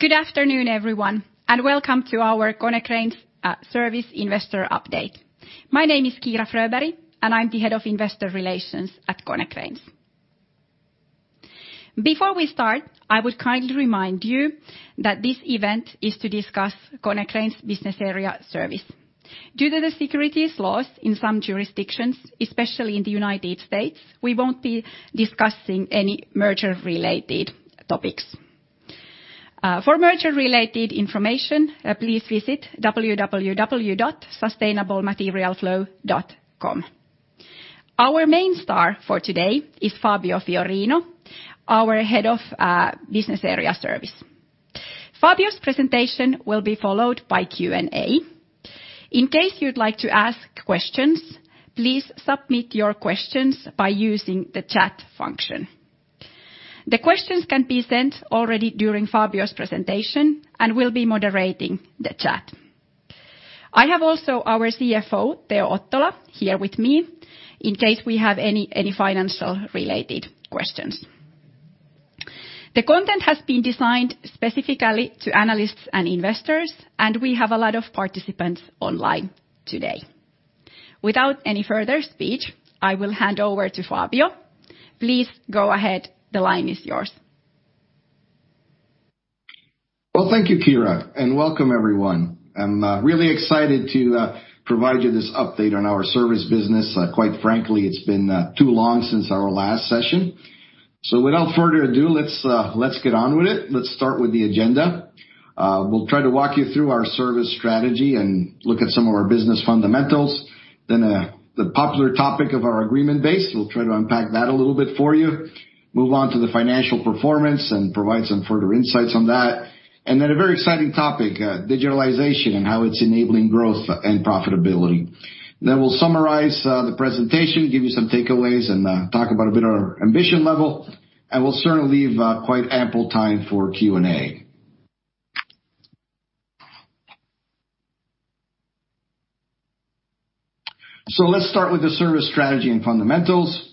Good afternoon, everyone, welcome to our Konecranes Service Investor Update. My name is Kiira Fröberg, and I'm the Head of Investor Relations at Konecranes. Before we start, I would kindly remind you that this event is to discuss Konecranes Business Area Service. Due to the securities laws in some jurisdictions, especially in the United States, we won't be discussing any merger-related topics. For merger-related information, please visit www.sustainablematerialflow.com. Our main star for today is Fabio Fiorino, our Head of Business Area Service. Fabio's presentation will be followed by Q&A. In case you'd like to ask questions, please submit your questions by using the chat function. The questions can be sent already during Fabio's presentation and we'll be moderating the chat. I have also our CFO, Teo Ottola, here with me in case we have any financial-related questions. The content has been designed specifically to analysts and investors, and we have a lot of participants online today. Without any further speech, I will hand over to Fabio. Please go ahead. The line is yours. Well, thank you, Kiira, welcome everyone. I'm really excited to provide you this update on our service business. Quite frankly, it's been too long since our last session. Without further ado, let's get on with it. Let's start with the agenda. We'll try to walk you through our service strategy and look at some of our business fundamentals. The popular topic of our agreement base. We'll try to unpack that a little bit for you. Move on to the financial performance and provide some further insights on that. A very exciting topic, digitalization and how it's enabling growth and profitability. We'll summarize the presentation, give you some takeaways, and talk about a bit our ambition level. We'll certainly leave quite ample time for Q&A. Let's start with the service strategy and fundamentals.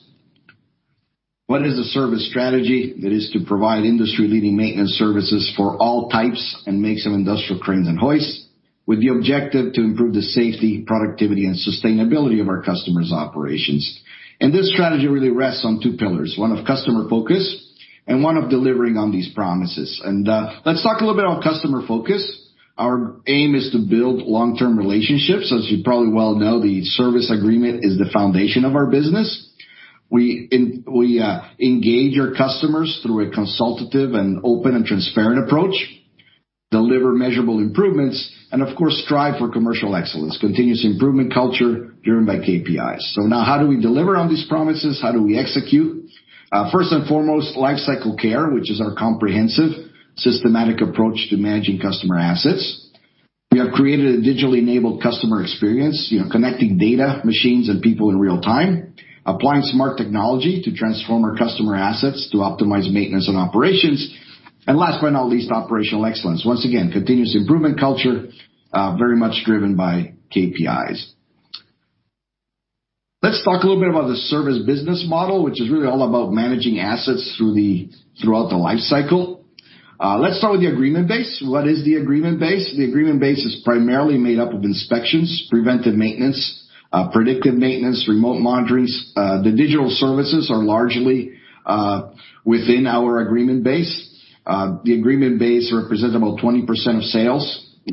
What is the service strategy? It is to provide industry-leading maintenance services for all types and makes of industrial cranes and hoists with the objective to improve the safety, productivity, and sustainability of our customers' operations. This strategy really rests on two pillars. One of customer focus, and one of delivering on these promises. Let's talk a little bit on customer focus. Our aim is to build long-term relationships. As you probably well know, the service agreement is the foundation of our business. We engage our customers through a consultative and open and transparent approach, deliver measurable improvements, and of course, strive for commercial excellence. Continuous improvement culture driven by KPIs. Now how do we deliver on these promises? How do we execute? First and foremost, lifecycle care, which is our comprehensive, systematic approach to managing customer assets. We have created a digitally enabled customer experience, connecting data, machines, and people in real-time. Applying smart technology to transform our customer assets to optimize maintenance and operations. Last but not least, operational excellence. Once again, continuous improvement culture, very much driven by KPIs. Let's talk a little bit about the service business model, which is really all about managing assets throughout the life cycle. Let's start with the agreement base. What is the agreement base? The agreement base is primarily made up of inspections, preventive maintenance, predictive maintenance, remote monitoring. The digital services are largely within our agreement base. The agreement base represents about 20%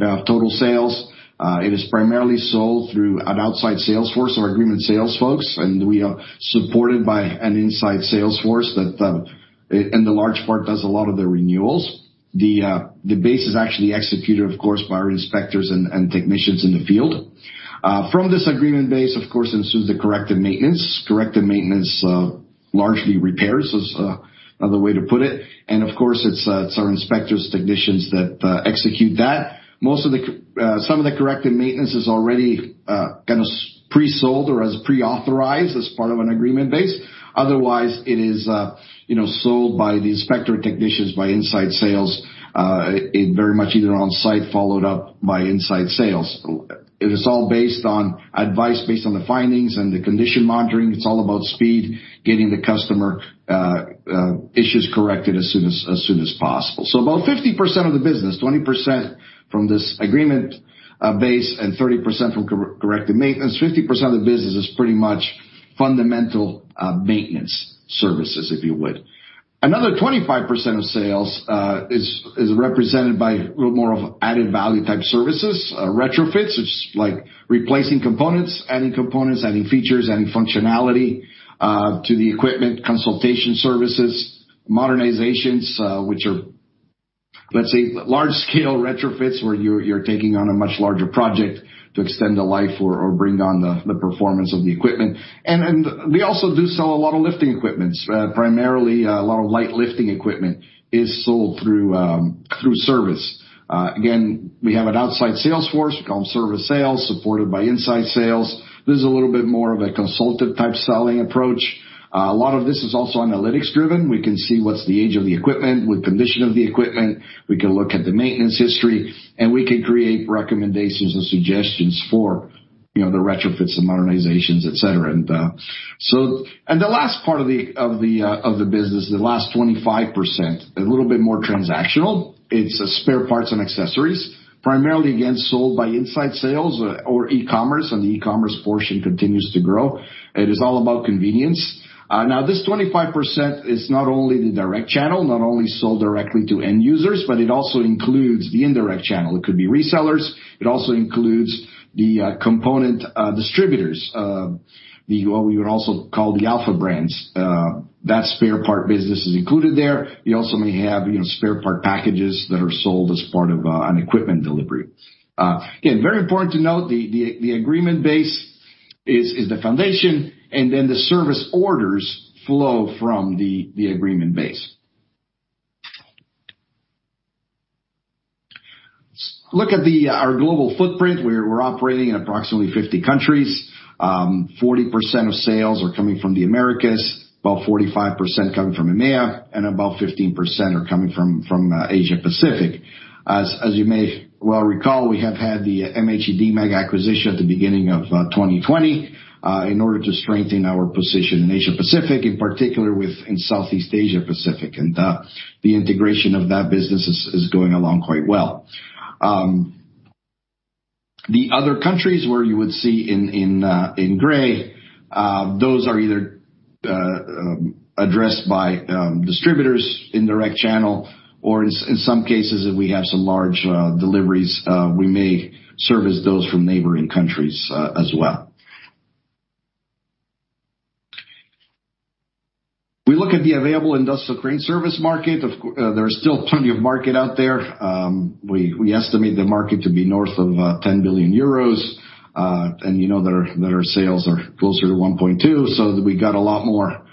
of total sales. It is primarily sold through an outside sales force or agreement sales folks, and we are supported by an inside sales force that in the large part, does a lot of the renewals. The base is actually executed, of course, by our inspectors and technicians in the field. From this agreement base, of course, ensues the corrective maintenance. Corrective maintenance, largely repairs, is another way to put it. Of course, it's our inspectors, technicians that execute that. Some of the corrective maintenance is already kind of pre-sold or is pre-authorized as part of an agreement base. Otherwise, it is sold by the inspector technicians by inside sales, very much either on-site, followed up by inside sales. It is all based on advice, based on the findings and the condition monitoring. It's all about speed, getting the customer issues corrected as soon as possible. About 50% of the business, 20% from this agreement base and 30% from corrective maintenance, 50% of the business is pretty much fundamental maintenance services, if you would. Another 25% of sales is represented by a little more of added value type services, retrofits, which is like replacing components, adding components, adding features, adding functionality to the equipment, consultation services, modernizations which are, let's say, large-scale retrofits, where you're taking on a much larger project to extend the life or bring down the performance of the equipment. We also do sell a lot of lifting equipment. Primarily, a lot of light lifting equipment is sold through service. Again, we have an outside sales force, we call them service sales, supported by inside sales. This is a little bit more of a consulted-type selling approach. A lot of this is also analytics driven. We can see what's the age of the equipment, what condition of the equipment. We can look at the maintenance history. We can create recommendations and suggestions for the retrofits and modernizations, et cetera. The last part of the business, the last 25%, a little bit more transactional. It's spare parts and accessories. Primarily, again, sold by inside sales or e-commerce, and the e-commerce portion continues to grow. It is all about convenience. Now, this 25% is not only the direct channel, not only sold directly to end users, but it also includes the indirect channel. It could be resellers. It also includes the component distributors. We would also call the alpha brands. That spare part business is included there. We also may have spare part packages that are sold as part of an equipment delivery. Again, very important to note, the agreement base is the foundation, and then the service orders flow from the agreement base. Look at our global footprint. We're operating in approximately 50 countries. 40% of sales are coming from the Americas, about 45% coming from EMEA, and about 15% are coming from Asia Pacific. As you may well recall, we have had the MHE-Demag acquisition at the beginning of 2020 in order to strengthen our position in Asia Pacific, in particular within Southeast Asia Pacific, and the integration of that business is going along quite well. The other countries, where you would see in gray, those are either addressed by distributors, indirect channel, or in some cases, if we have some large deliveries, we may service those from neighboring countries as well. We look at the available industrial crane service market. There's still plenty of market out there. We estimate the market to be north of 10 billion euros, and you know that our sales are closer to 1.2 billion, so we got a lot more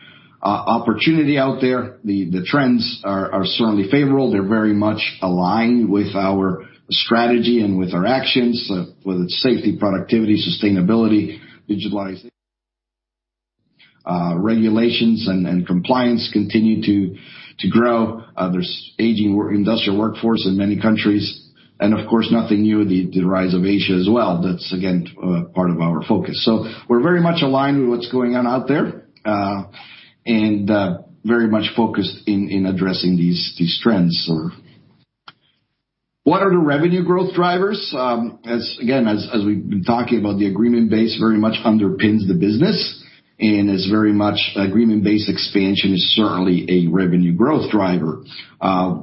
opportunity out there. The trends are certainly favorable. They're very much aligned with our strategy and with our actions, whether it's safety, productivity, sustainability, digitalization. Regulations and compliance continue to grow. There's aging industrial workforce in many countries, and of course, nothing new, the rise of Asia as well. That's, again, part of our focus. We're very much aligned with what's going on out there, and very much focused in addressing these trends. What are the revenue growth drivers? Again, as we've been talking about, the agreement base very much underpins the business, and agreement base expansion is certainly a revenue growth driver.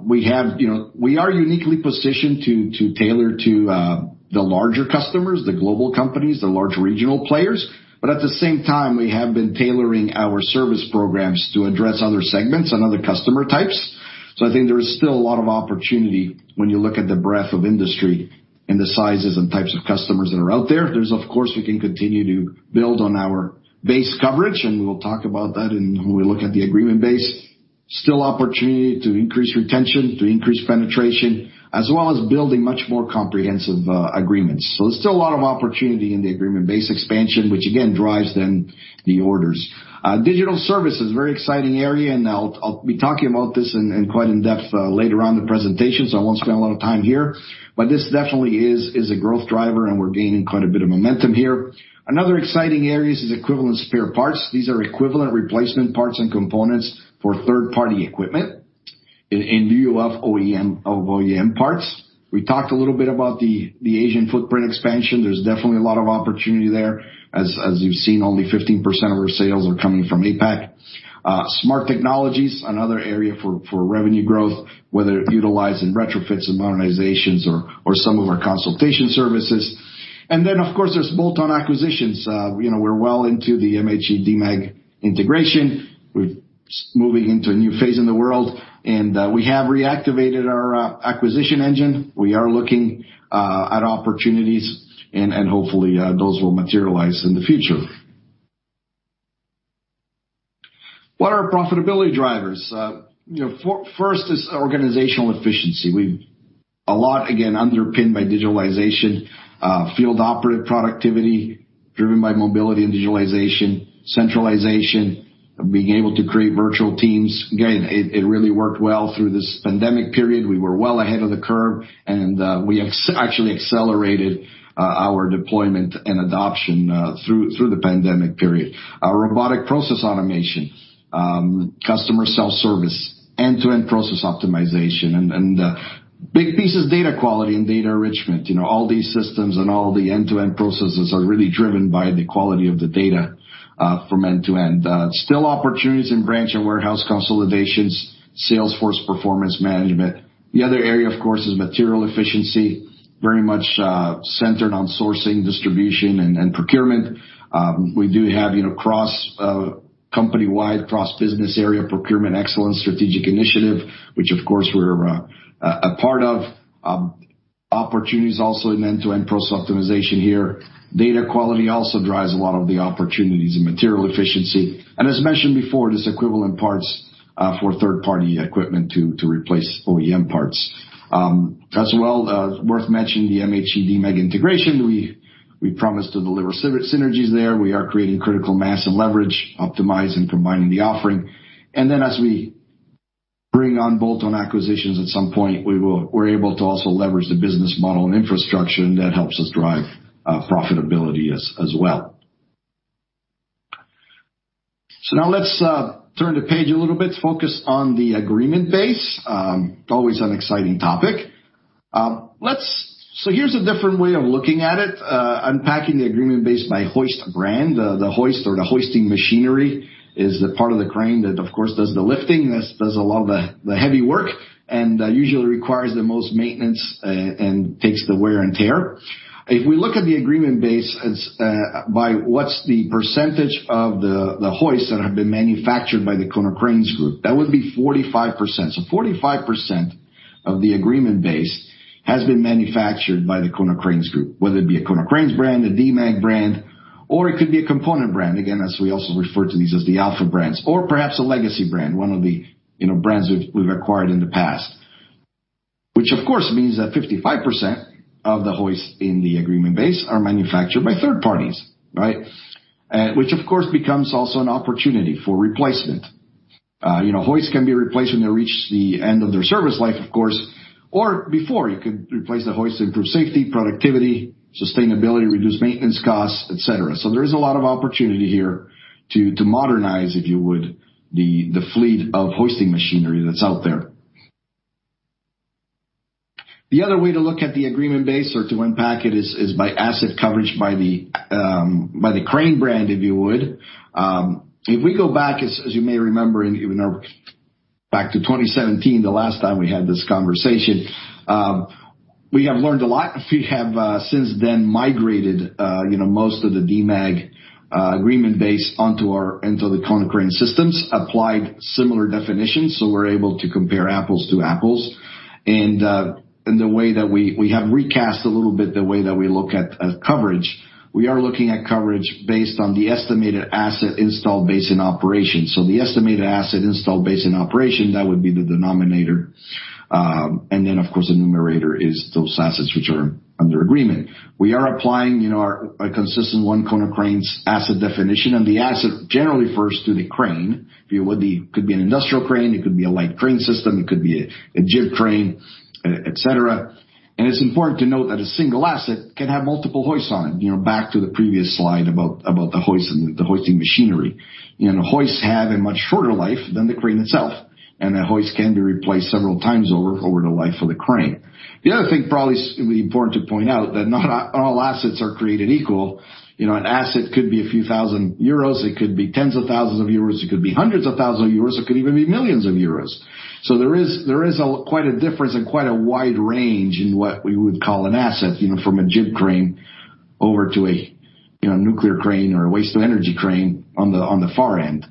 We are uniquely positioned to tailor to the larger customers, the global companies, the large regional players. At the same time, we have been tailoring our service programs to address other segments and other customer types. I think there is still a lot of opportunity when you look at the breadth of industry and the sizes and types of customers that are out there. There's, of course, we can continue to build on our base coverage, and we'll talk about that when we look at the agreement base. There is still opportunity to increase retention, to increase penetration, as well as building much more comprehensive agreements. There's still a lot of opportunity in the agreement base expansion, which again, drives then the orders. Digital services, very exciting area, and I'll be talking about this in quite in depth later on in the presentation, so I won't spend a lot of time here. This definitely is a growth driver, and we're gaining quite a bit of momentum here. Another exciting area is equivalent spare parts. These are equivalent replacement parts and components for third-party equipment in lieu of OEM parts. We talked a little bit about the Asian footprint expansion. There's definitely a lot of opportunity there, as you've seen, only 15% of our sales are coming from APAC. Smart technologies, another area for revenue growth, whether utilized in retrofits and modernizations or some of our consultation services. And then of course, there's bolt-on acquisitions. We're well into the MHE-Demag integration. We're moving into a new phase in the world. We have reactivated our acquisition engine. We are looking at opportunities. Hopefully, those will materialize in the future. What are our profitability drivers? First is organizational efficiency. A lot, again, underpinned by digitalization, field operative productivity driven by mobility and digitalization, centralization, being able to create virtual teams. Again, it really worked well through this pandemic period. We were well ahead of the curve, and we actually accelerated our deployment and adoption through the pandemic period. Robotic process automation, customer self-service, end-to-end process optimization, and a big piece is data quality and data enrichment. All these systems and all the end-to-end processes are really driven by the quality of the data from end-to-end. Still opportunities in branch and warehouse consolidations, sales force performance management. The other area, of course, is material efficiency, very much centered on sourcing, distribution, and procurement. We do have cross-company-wide cross-Business Area procurement excellence strategic initiative, which of course, we're a part of. Opportunities also in end-to-end process optimization here. Data quality also drives a lot of the opportunities in material efficiency. And as mentioned before, this equivalent parts for third-party equipment to replace OEM parts. As well, worth mentioning, the MHE-Demag integration, we promised to deliver synergies there. We are creating critical mass and leverage, optimizing, combining the offering. Then as we bring on bolt-on acquisitions, at some point, we're able to also leverage the business model and infrastructure, and that helps us drive profitability as well. Now let's turn the page a little bit, focus on the agreement base. Always an exciting topic. Here's a different way of looking at it, unpacking the agreement base by hoist brand. The hoist or the hoisting machinery is the part of the crane that, of course, does the lifting, does a lot of the heavy work, and usually requires the most maintenance and takes the wear and tear. If we look at the agreement base by what's the percentage of the hoists that have been manufactured by the Konecranes Group, that would be 45%. 45% of the agreement base has been manufactured by the Konecranes group, whether it be a Konecranes brand, a Demag brand, or it could be a component brand. Again, as we also refer to these as the alpha brands or perhaps a legacy brand, one of the brands we've acquired in the past. Which, of course, means that 55% of the hoists in the agreement base are manufactured by third parties, right? Which, of course, becomes also an opportunity for replacement. Hoists can be replaced when they reach the end of their service life, of course, or before. You could replace the hoist, improve safety, productivity, sustainability, reduce maintenance costs, et cetera. There is a lot of opportunity here to modernize, if you would, the fleet of hoisting machinery that's out there. The other way to look at the agreement base or to unpack it is by asset coverage by the crane brand, if you would. If we go back, as you may remember, back to 2017, the last time we had this conversation. We have learned a lot. We have since then migrated most of the Demag agreement base onto the Konecranes systems, applied similar definitions, so we're able to compare apples to apples. We have recast a little bit the way that we look at coverage. We are looking at coverage based on the estimated asset installed base in operation. The estimated asset installed base in operation, that would be the denominator, and then, of course, the numerator is those assets which are under agreement. We are applying a consistent one Konecranes asset definition, and the asset generally refers to the crane, if you would. It could be an industrial crane, it could be a light crane system, it could be a jib crane, et cetera. It's important to note that a single asset can have multiple hoists on it. Back to the previous slide about the hoist and the hoisting machinery. Hoists have a much shorter life than the crane itself, and a hoist can be replaced several times over the life of the crane. The other thing probably important to point out, that not all assets are created equal. An asset could be a few thousand euros, it could be tens of thousands of euros, it could be hundreds of thousands of euros, it could even be millions of euros. There is quite a difference and quite a wide range in what we would call an asset, from a jib crane over to a nuclear crane or a waste-to-energy crane on the far end.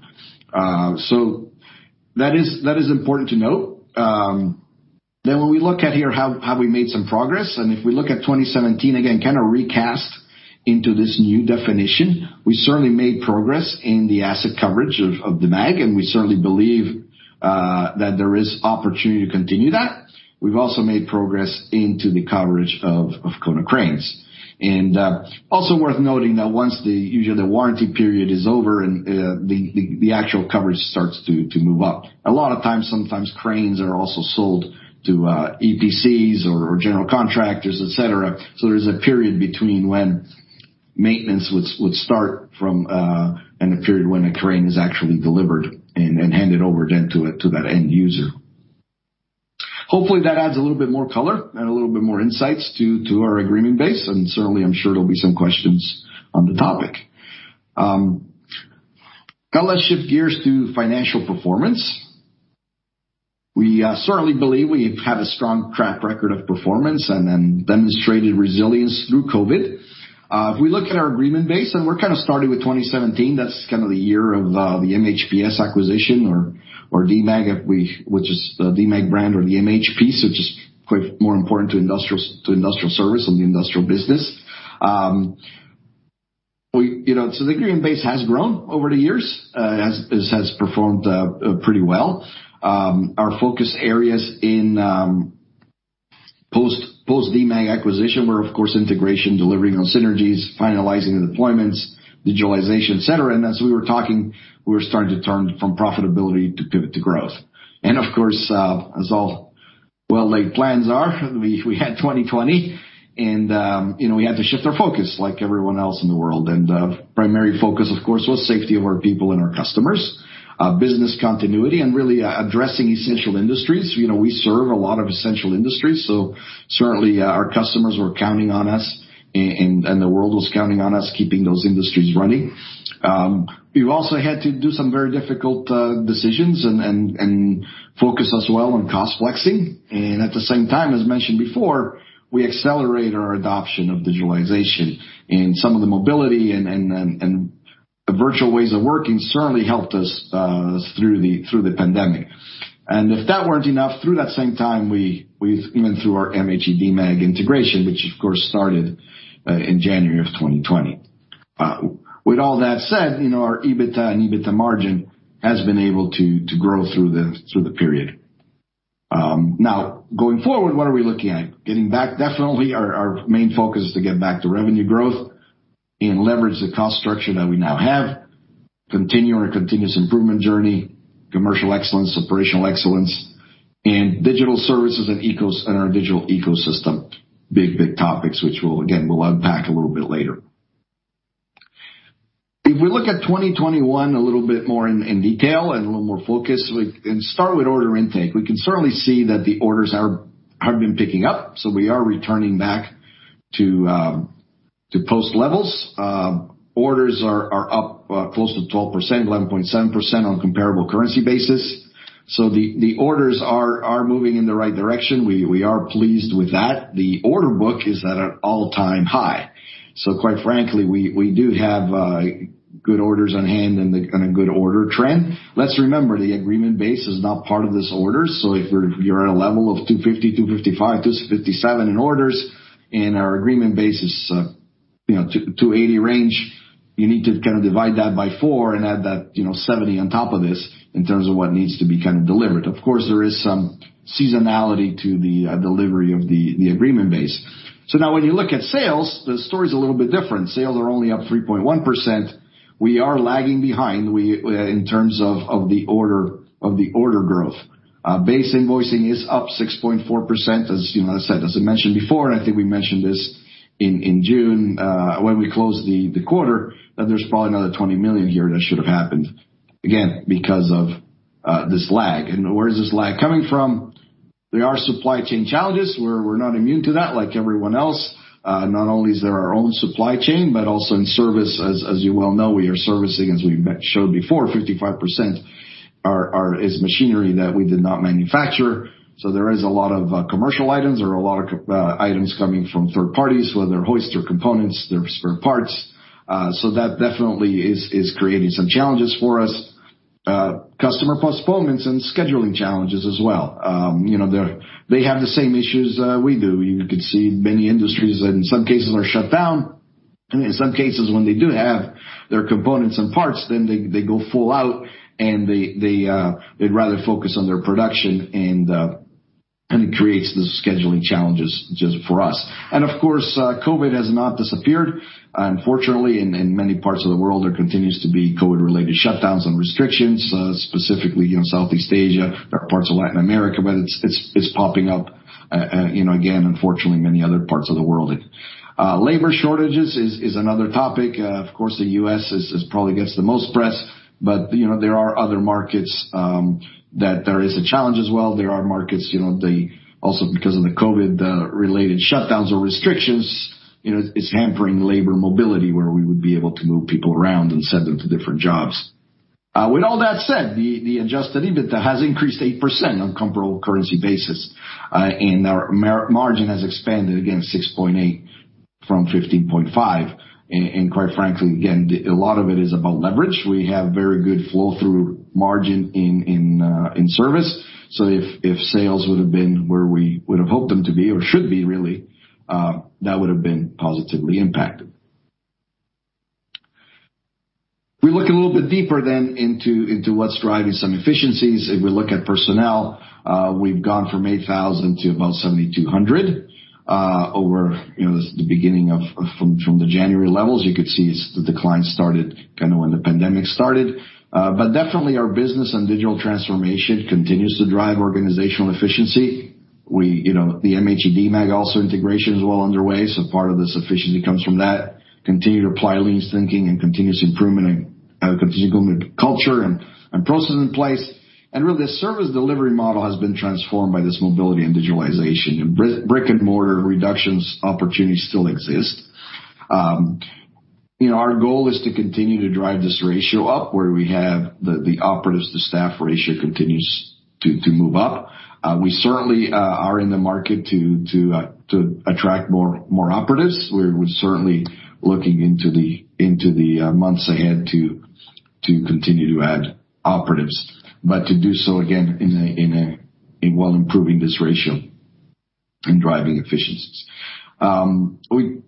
That is important to note. When we look at here how we made some progress, and if we look at 2017 again, kind of recast into this new definition, we certainly made progress in the asset coverage of Demag, and we certainly believe that there is opportunity to continue that. We've also made progress into the coverage of Konecranes. Also worth noting that once usually the warranty period is over and the actual coverage starts to move up. A lot of times, sometimes cranes are also sold to EPCs or general contractors, et cetera. There's a period between when maintenance would start from, and the period when a crane is actually delivered and handed over then to that end user. Hopefully, that adds a little bit more color and a little bit more insights to our agreement base, and certainly, I'm sure there'll be some questions on the topic. Now let's shift gears to financial performance. We certainly believe we've had a strong track record of performance and demonstrated resilience through COVID. If we look at our agreement base, and we're kind of starting with 2017, that's kind of the year of the MHPS acquisition or Demag, which is the Demag brand or MHPS. Just quite more important to industrial service and the industrial business. The agreement base has grown over the years, has performed pretty well. Our focus areas in post-Demag acquisition were, of course, integration, delivering on synergies, finalizing the deployments, digitalization, et cetera. As we were talking, we were starting to turn from profitability to growth. Of course, as all well-laid plans are, we had 2020, and we had to shift our focus like everyone else in the world. Primary focus, of course, was safety of our people and our customers, business continuity, and really addressing essential industries. We serve a lot of essential industries, so certainly, our customers were counting on us, and the world was counting on us keeping those industries running. We've also had to do some very difficult decisions and focus as well on cost flexing. At the same time, as mentioned before, we accelerated our adoption of digitalization and some of the mobility and the virtual ways of working certainly helped us through the pandemic. If that weren't enough, through that same time, even through our MHE-Demag integration, which of course started in January of 2020. With all that said, our EBITDA and EBITDA margin has been able to grow through the period. Going forward, what are we looking at? Getting back, definitely our main focus is to get back to revenue growth and leverage the cost structure that we now have, continue our continuous improvement journey, commercial excellence, operational excellence, and digital services and our digital ecosystem. Big topics, which we'll unpack a little bit later. If we look at 2021 a little bit more in detail and a little more focus, and start with order intake. We can certainly see that the orders have been picking up. We are returning back to post levels. Orders are up close to 12%, 11.7% on comparable currency basis. The orders are moving in the right direction. We are pleased with that. The order book is at an all-time high. Quite frankly, we do have good orders on hand and a good order trend. Let's remember, the agreement base is not part of this order. If you're at a level of 250 million, 255 million, 257 million in orders, and our agreement base is 280 million range, you need to kind of divide that by four and add that 70 million on top of this in terms of what needs to be kind of delivered. Of course, there is some seasonality to the delivery of the agreement base. Now when you look at sales, the story's a little bit different. Sales are only up 3.1%. We are lagging behind in terms of the order growth. Base invoicing is up 6.4%, as I mentioned before, and I think we mentioned this in June, when we closed the quarter, that there's probably another 20 million here that should have happened, again, because of this lag. Where is this lag coming from? There are supply chain challenges. We're not immune to that, like everyone else. Not only is there our own supply chain, but also in service, as you well know, we are servicing, as we showed before, 55% is machinery that we did not manufacture. There is a lot of commercial items. There are a lot of items coming from third parties, whether they're hoist or components, they're spare parts. That definitely is creating some challenges for us. Customer postponements and scheduling challenges as well. They have the same issues we do. You can see many industries in some cases are shut down. In some cases, when they do have their components and parts, then they go full out, and they'd rather focus on their production, and it creates the scheduling challenges for us. Of course, COVID has not disappeared. Unfortunately, in many parts of the world, there continues to be COVID-related shutdowns and restrictions, specifically in Southeast Asia, parts of Latin America, but it's popping up again, unfortunately, in many other parts of the world. Labor shortages is another topic. Of course, the U.S. probably gets the most press, but there are other markets that there is a challenge as well. There are markets, also because of the COVID-related shutdowns or restrictions, it's hampering labor mobility where we would be able to move people around and send them to different jobs. With all that said, the adjusted EBITDA has increased 8% on comparable currency basis. Our margin has expanded against 6.8% from 15.5%. Quite frankly, again, a lot of it is about leverage. We have very good flow-through margin in service. If sales would have been where we would have hoped them to be or should be really, that would have been positively impacted. We look a little bit deeper then into what's driving some efficiencies. If we look at personnel, we've gone from 8,000 to about 7,200 from the January levels. You could see the decline started kind of when the pandemic started. Definitely our business and digital transformation continues to drive organizational efficiency. The MHE-Demag also integration is well underway, part of this efficiency comes from that. We continue to apply lean thinking and continuous improvement and continuous culture and processes in place. Really, the service delivery model has been transformed by this mobility and digitalization. Brick and mortar reductions opportunities still exist. Our goal is to continue to drive this ratio up, where we have the operatives to staff ratio continues to move up. We certainly are in the market to attract more operatives. We're certainly looking into the months ahead to continue to add operatives. To do so, again, while improving this ratio and driving efficiencies. We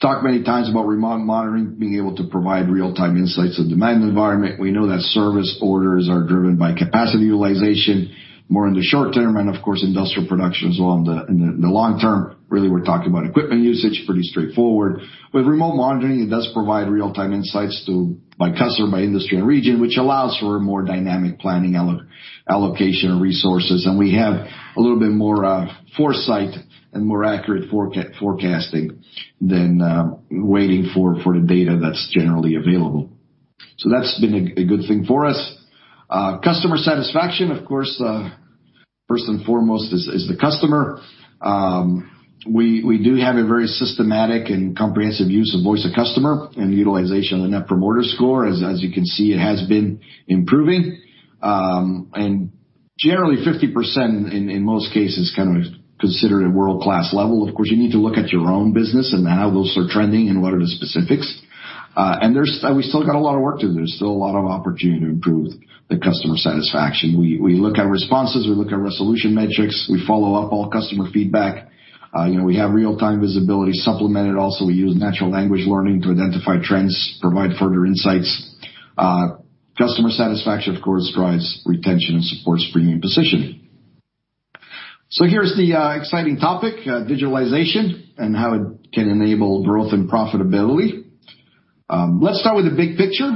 talked many times about remote monitoring being able to provide real-time insights of demand environment. We know that service orders are driven by capacity utilization more in the short term, and of course, industrial production as well in the long term. Really, we're talking about equipment usage, pretty straightforward. With remote monitoring, it does provide real-time insights by customer, by industry, and region, which allows for a more dynamic planning allocation of resources. We have a little bit more foresight and more accurate forecasting than waiting for the data that’s generally available. That’s been a good thing for us. Customer satisfaction, of course, first and foremost is the customer. We do have a very systematic and comprehensive use of voice of customer and utilization of the Net Promoter Score. As you can see, it has been improving. Generally, 50% in most cases is kind of considered a world-class level. Of course, you need to look at your own business and how those are trending and what are the specifics. We still got a lot of work to do. There’s still a lot of opportunity to improve the customer satisfaction. We look at responses, we look at resolution metrics, we follow up all customer feedback. We have real-time visibility supplemented. We use natural language learning to identify trends, provide further insights. Customer satisfaction, of course, drives retention and supports premium positioning. Here's the exciting topic, digitalization and how it can enable growth and profitability. Let's start with the big picture.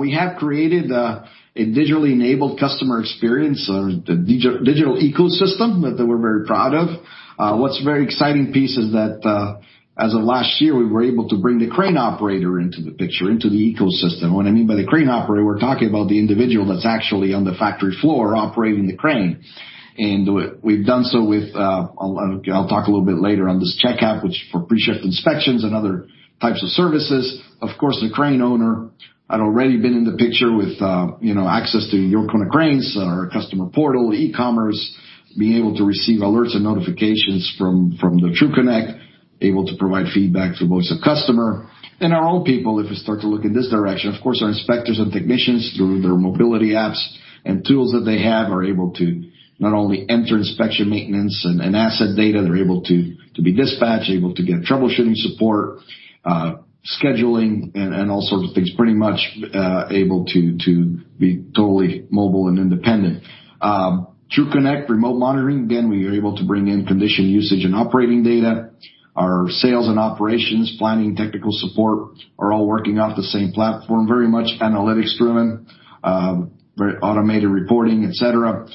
We have created a digitally enabled customer experience or digital ecosystem that we're very proud of. What's a very exciting piece is that, as of last year, we were able to bring the crane operator into the picture, into the ecosystem. What I mean by the crane operator, we're talking about the individual that's actually on the factory floor operating the crane. We've done so with, I'll talk a little bit later on this CheckApp, which for pre-shift inspections and other types of services. Of course, the crane owner had already been in the picture with access to yourKONECRANES, our customer portal, e-commerce, being able to receive alerts and notifications from the TRUCONNECT, able to provide feedback to the voice of customer. Our own people, if we start to look in this direction, of course, our inspectors and technicians, through their mobility apps and tools that they have, are able to not only enter inspection, maintenance, and asset data, they're able to be dispatched, able to get troubleshooting support, scheduling, and all sorts of things. Pretty much able to be totally mobile and independent. TRUCONNECT Remote Monitoring, again, we are able to bring in condition usage and operating data. Our sales and operations, planning, technical support are all working off the same platform, very much analytics-driven, very automated reporting, et cetera.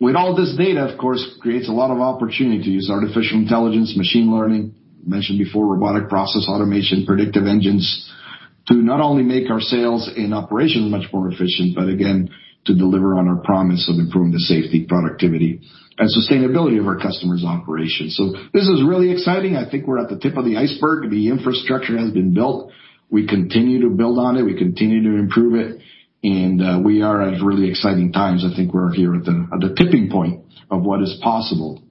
With all this data, of course, creates a lot of opportunities. Artificial intelligence, machine learning, mentioned before, robotic process automation, predictive engines to not only make our sales and operations much more efficient, but again, to deliver on our promise of improving the safety, productivity, and sustainability of our customers' operations. This is really exciting. I think we're at the tip of the iceberg. The infrastructure has been built. We continue to build on it, we continue to improve it, and we are at really exciting times. I think we're here at the tipping point of what is possible.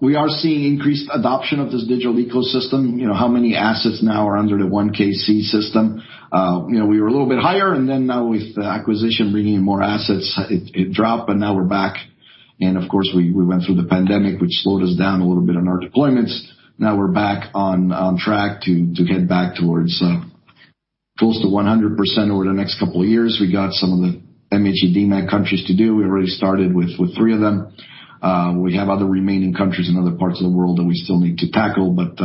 We are seeing increased adoption of this digital ecosystem. How many assets now are under the 1KC system? We were a little bit higher, and then now with the acquisition bringing in more assets, it dropped, but now we're back. Of course, we went through the pandemic, which slowed us down a little bit on our deployments. Now we're back on track to get back towards close to 100% over the next couple of years. We got some of the MHE-Demag countries to do. We already started with three of them. We have other remaining countries in other parts of the world that we still need to tackle, but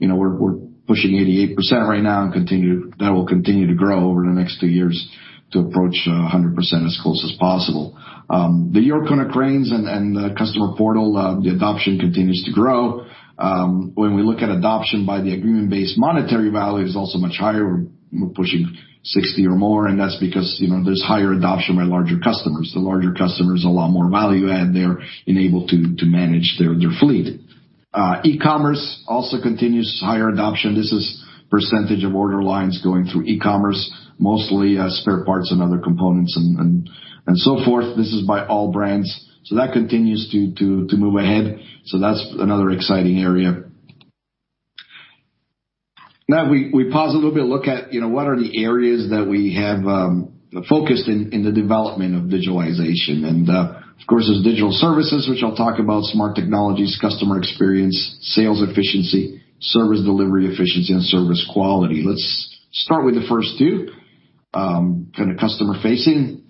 we're pushing 88% right now, and that will continue to grow over the next two years to approach 100% as close as possible. The yourKONECRANES and the customer portal, the adoption continues to grow. When we look at adoption by the agreement-based monetary value is also much higher. We're pushing 60% or more, and that's because there's higher adoption by larger customers. The larger customers a lot more value add there in able to manage their fleet. E-commerce also continues higher adoption. This is percentage of order lines going through e-commerce, mostly spare parts and other components, and so forth. This is by all brands. That continues to move ahead. That's another exciting area. Now we pause a little bit, look at what are the areas that we have focused on in the development of digitalization. Of course, there's digital services, which I'll talk about, smart technologies, customer experience, sales efficiency, service delivery efficiency, and service quality. Let's start with the first two, kind of customer-facing.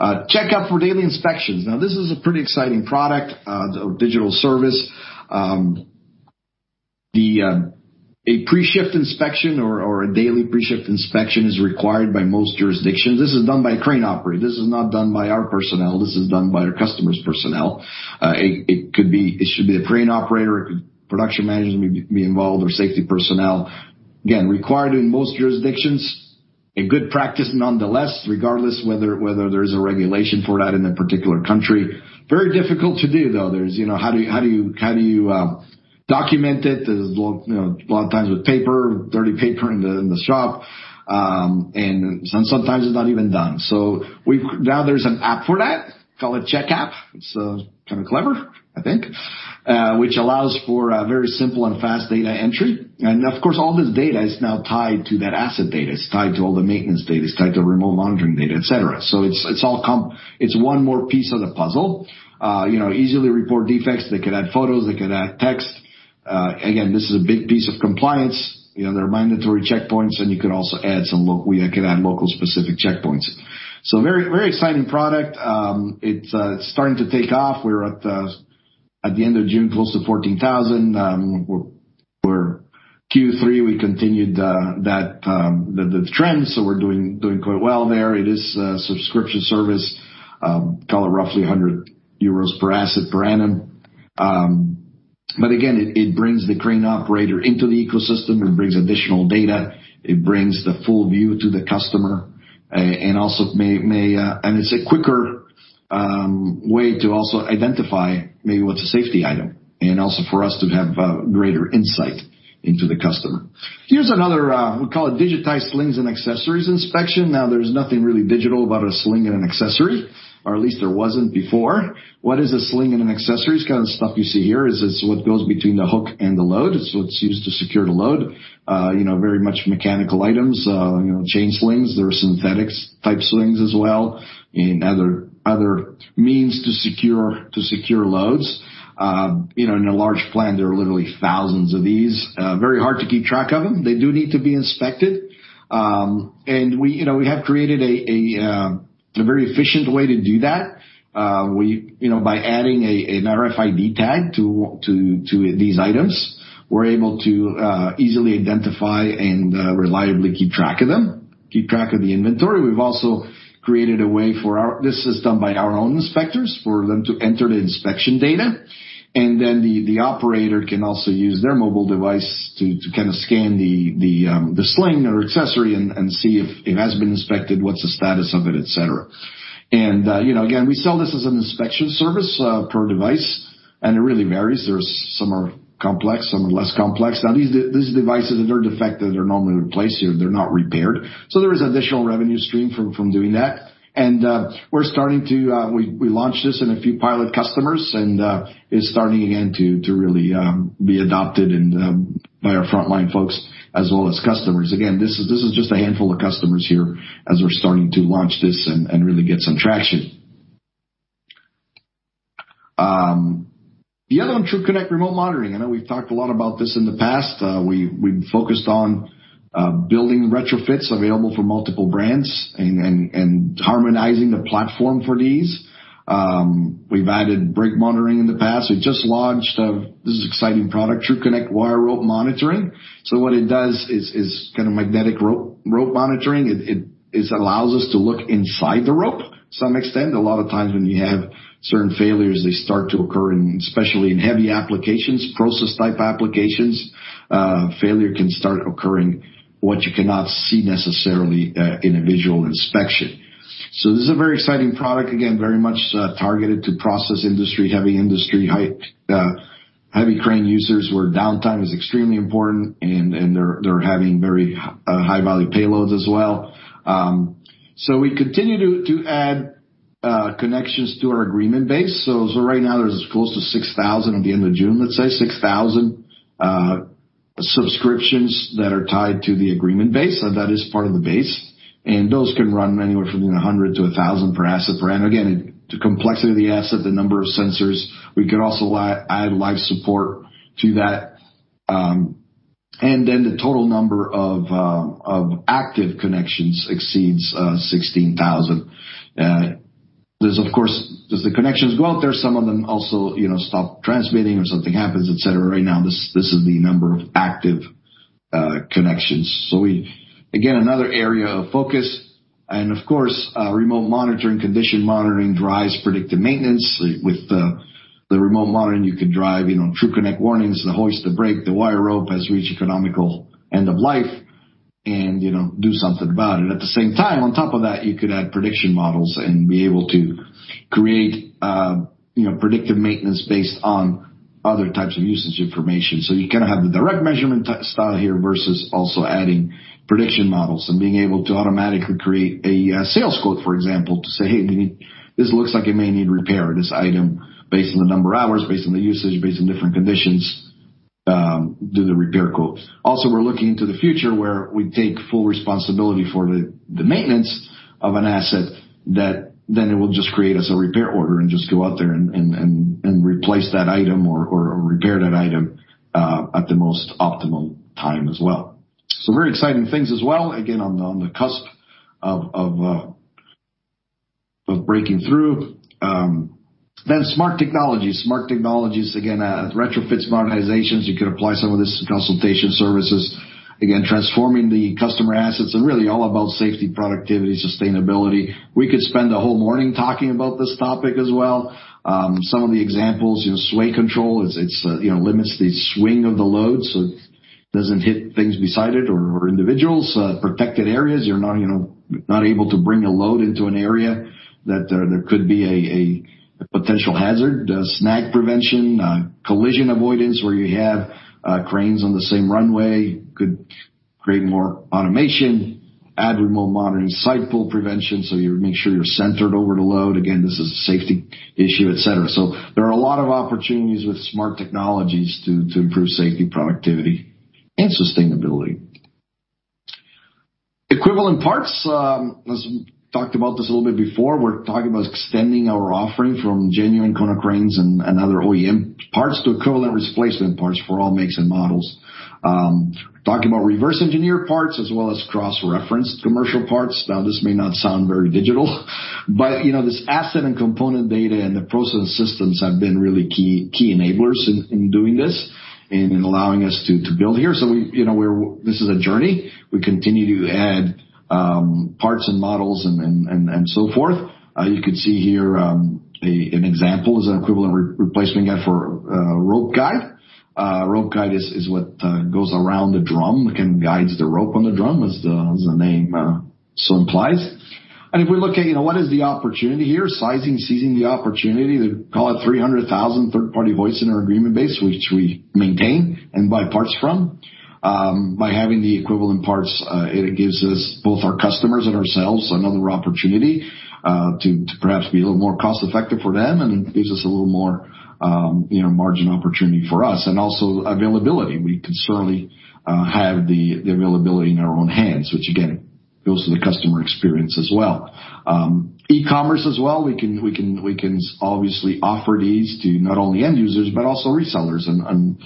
CheckApp for daily inspections. Now, this is a pretty exciting product, a digital service. A pre-shift inspection or a daily pre-shift inspection is required by most jurisdictions. This is done by a crane operator. This is not done by our personnel. This is done by our customer's personnel. It should be a crane operator. It could be production managers may be involved or safety personnel. Again, required in most jurisdictions. A good practice nonetheless, regardless of whether there is a regulation for that in a particular country. Very difficult to do, though. How do you document it? There's a lot of times with paper, dirty paper in the shop, and sometimes it's not even done. Now there's an app for that, call it CheckApp. It's kind of clever, I think, which allows for very simple and fast data entry. Of course, all this data is now tied to that asset data. It's tied to all the maintenance data. It's tied to remote monitoring data, et cetera. It's one more piece of the puzzle. Easily report defects. They could add photos. They could add text. Again, this is a big piece of compliance. There are mandatory checkpoints, and you could also add some local specific checkpoints. Very exciting product. It's starting to take off. We were at the end of June, close to 14,000. Q3, we continued the trend, so we're doing quite well there. It is a subscription service, call it roughly 100 euros per asset per annum. Again, it brings the crane operator into the ecosystem. It brings additional data. It brings the full view to the customer, and it's a quicker way to also identify maybe what's a safety item, and also for us to have greater insight into the customer. Here's another, we call it digitized slings and accessories inspection. Now, there's nothing really digital about a sling and an accessory, or at least there wasn't before. What is a sling and an accessory? It's kind of the stuff you see here, is it's what goes between the hook and the load. It's what's used to secure the load. Very much mechanical items, chain slings. There are synthetic type slings as well, and other means to secure loads. In a large plant, there are literally thousands of these. Very hard to keep track of them. They do need to be inspected. We have created a very efficient way to do that. By adding an RFID tag to these items, we're able to easily identify and reliably keep track of them, keep track of the inventory. We've also created a way. This is done by our own inspectors, for them to enter the inspection data. Then the operator can also use their mobile device to scan the sling or accessory and see if it has been inspected, what's the status of it, et cetera. Again, we sell this as an inspection service per device, and it really varies. Some are complex, some are less complex. Now, these devices, if they're defective, they're normally replaced here. They're not repaired. There is additional revenue stream from doing that. We launched this in a few pilot customers and it's starting, again, to really be adopted by our frontline folks as well as customers. Again, this is just a handful of customers here as we're starting to launch this and really get some traction. The other one, TRUCONNECT Remote Monitoring. I know we've talked a lot about this in the past. We've focused on building retrofits available for multiple brands and harmonizing the platform for these. We've added brake monitoring in the past. We just launched, this is an exciting product, TRUCONNECT Wire Rope Monitoring. What it does is magnetic rope monitoring. It allows us to look inside the rope to some extent. A lot of times when you have certain failures, they start to occur, especially in heavy applications, process type applications, failure can start occurring what you cannot see necessarily in a visual inspection. This is a very exciting product. Again, very much targeted to process industry, heavy industry, heavy crane users where downtime is extremely important and they're having very high-value payloads as well. We continue to add connections to our agreement base. Right now there's close to 6,000 at the end of June, let's say, 6,000 subscriptions that are tied to the agreement base. That is part of the base. Those can run anywhere from 100-1,000 per asset. Again, the complexity of the asset, the number of sensors. We could also add life support to that. The total number of active connections exceeds 16,000. As the connections go out there, some of them also stop transmitting or something happens, et cetera. Right now, this is the number of active connections. Again, another area of focus. Of course, remote monitoring, condition monitoring drives predictive maintenance. With the remote monitoring, you could drive TRUCONNECT warnings, the hoist, the brake, the wire rope has reached economical end of life, and do something about it. At the same time, on top of that, you could add prediction models and be able to create predictive maintenance based on other types of usage information. You have the direct measurement style here versus also adding prediction models and being able to automatically create a sales quote, for example, to say, "Hey, this looks like it may need repair, this item based on the number of hours, based on the usage, based on different conditions." Do the repair quote. Also, we're looking into the future where we take full responsibility for the maintenance of an asset that then it will just create us a repair order and just go out there and replace that item or repair that item at the most optimal time as well. Very exciting things as well. Again, on the cusp of breaking through. Smart technologies. Smart technologies, again, retrofits, modernizations. You could apply some of this consultation services. Again, transforming the customer assets and really all about safety, productivity, sustainability. We could spend a whole morning talking about this topic as well. Some of the examples, sway control, it limits the swing of the load so it doesn't hit things beside it or individuals. Protected areas, you're not able to bring a load into an area that there could be a potential hazard. Snag prevention, collision avoidance where you have cranes on the same runway could create more automation. Add remote monitoring, side pull prevention, so you make sure you're centered over the load. Again, this is a safety issue, et cetera. There are a lot of opportunities with smart technologies to improve safety, productivity, and sustainability. Equivalent parts, as we talked about this a little bit before, we're talking about extending our offering from genuine Konecranes and other OEM parts to equivalent replacement parts for all makes and models. Talking about reverse engineered parts as well as cross-referenced commercial parts. Now, this may not sound very digital, but this asset and component data and the process systems have been really key enablers in doing this and in allowing us to build here. This is a journey. We continue to add parts and models and so forth. You could see here. An example is an equivalent replacement guide for a rope guide. A rope guide is what goes around the drum and guides the rope on the drum, as the name so implies. If we look at what is the opportunity here, sizing, seizing the opportunity to call it 300,000 third-party hoists in our agreement base, which we maintain and buy parts from. By having the equivalent parts, it gives us, both our customers and ourselves, another opportunity to perhaps be a little more cost-effective for them, and it gives us a little more margin opportunity for us, and also availability. We certainly have the availability in our own hands, which again, goes to the customer experience as well. E-commerce as well, we can obviously offer these to not only end users, but also resellers and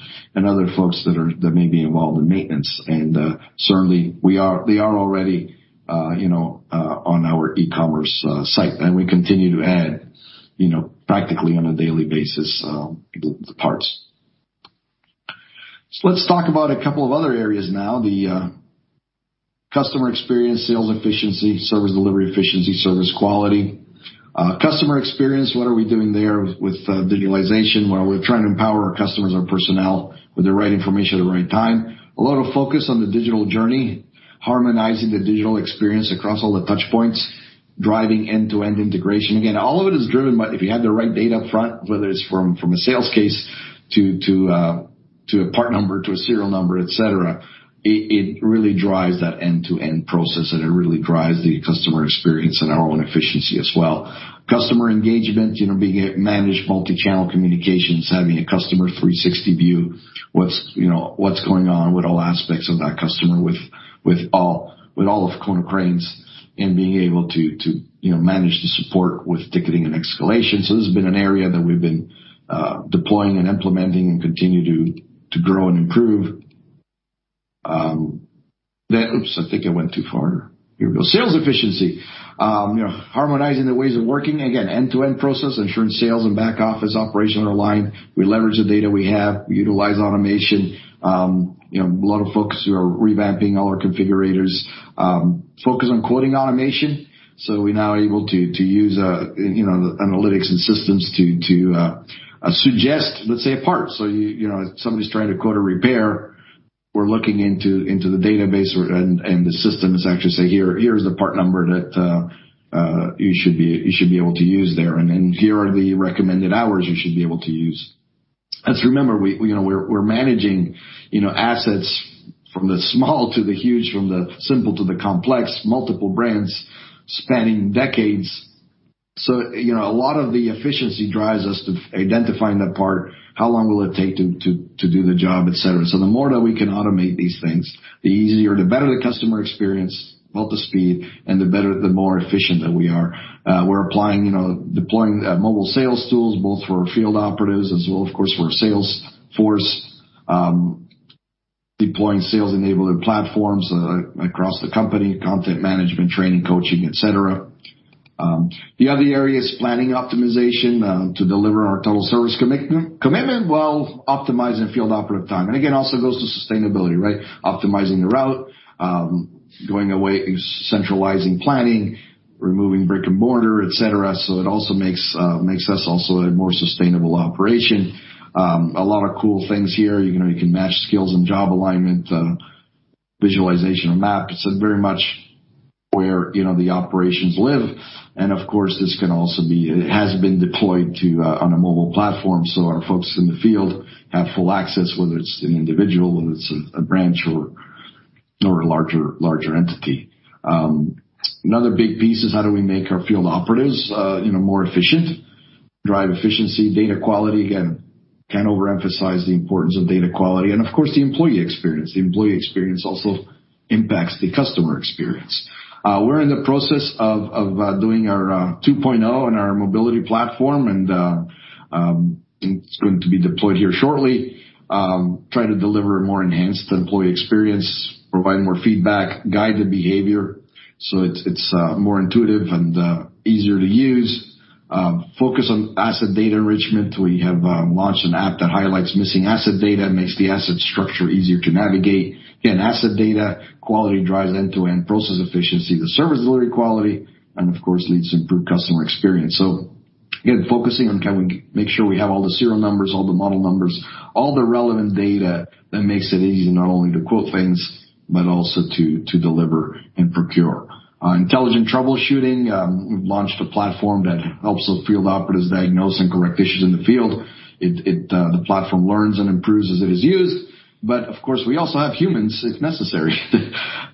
other folks that may be involved in maintenance. Certainly, they are already on our e-commerce site, and we continue to add, practically on a daily basis, the parts. Let's talk about a couple of other areas now. The customer experience, sales efficiency, service delivery efficiency, service quality. Customer experience, what are we doing there with digitalization? Well, we're trying to empower our customers and personnel with the right information at the right time. A lot of focus on the digital journey, harmonizing the digital experience across all the touch points, driving end-to-end integration. Again, all of it is driven by if you have the right data up front, whether it's from a sales case to a part number to a serial number, et cetera, it really drives that end-to-end process, and it really drives the customer experience and our own efficiency as well. Customer engagement, being able to manage multi-channel communications, having a customer 360 view, what's going on with all aspects of that customer with all of Konecranes and being able to manage the support with ticketing and escalation. This has been an area that we've been deploying and implementing and continue to grow and improve. Oops, I think I went too far. Here we go. Sales efficiency. Harmonizing the ways of working. Again, end-to-end process, ensuring sales and back-office operations are aligned. We leverage the data we have. We utilize automation. A lot of folks who are revamping all our configurators focus on quoting automation. We're now able to use analytics and systems to suggest, let's say, a part. If somebody's trying to quote a repair, we're looking into the database and the system to actually say, "Here's the part number that you should be able to use there, and then here are the recommended hours you should be able to use." Remember, we're managing assets from the small to the huge, from the simple to the complex, multiple brands spanning decades. A lot of the efficiency drives us to identifying that part, how long will it take to do the job, et cetera. The more that we can automate these things, the easier, the better the customer experience, both the speed and the more efficient that we are. We're deploying mobile sales tools both for field operatives as well, of course, for sales force. Deploying sales enablement platforms across the company, content management, training, coaching, et cetera. The other area is planning optimization to deliver on our total service commitment while optimizing field operative time. Again, also goes to sustainability, right? Optimizing the route, going away, centralizing planning, removing brick-and-mortar, et cetera, so it also makes us also a more sustainable operation. A lot of cool things here. You can match skills and job alignment, visualization of maps. It's very much where the operations live. Of course, it has been deployed on a mobile platform, so our folks in the field have full access, whether it's an individual, whether it's a branch or a larger entity. Another big piece is how do we make our field operatives more efficient? Drive efficiency, data quality. Again, can't overemphasize the importance of data quality. Of course, the employee experience. The employee experience also impacts the customer experience. We're in the process of doing our 2.0 on our mobility platform, and it's going to be deployed here shortly. Trying to deliver a more enhanced employee experience, provide more feedback, guided behavior, so it's more intuitive and easier to use. Focus on asset data enrichment. We have launched an app that highlights missing asset data, makes the asset structure easier to navigate. Again, asset data quality drives end-to-end process efficiency, the service delivery quality, and of course, leads to improved customer experience. Again, focusing on can we make sure we have all the serial numbers, all the model numbers, all the relevant data that makes it easy not only to quote things, but also to deliver and procure. Intelligent troubleshooting. We've launched a platform that helps the field operatives diagnose and correct issues in the field. The platform learns and improves as it is used. Of course, we also have humans if necessary.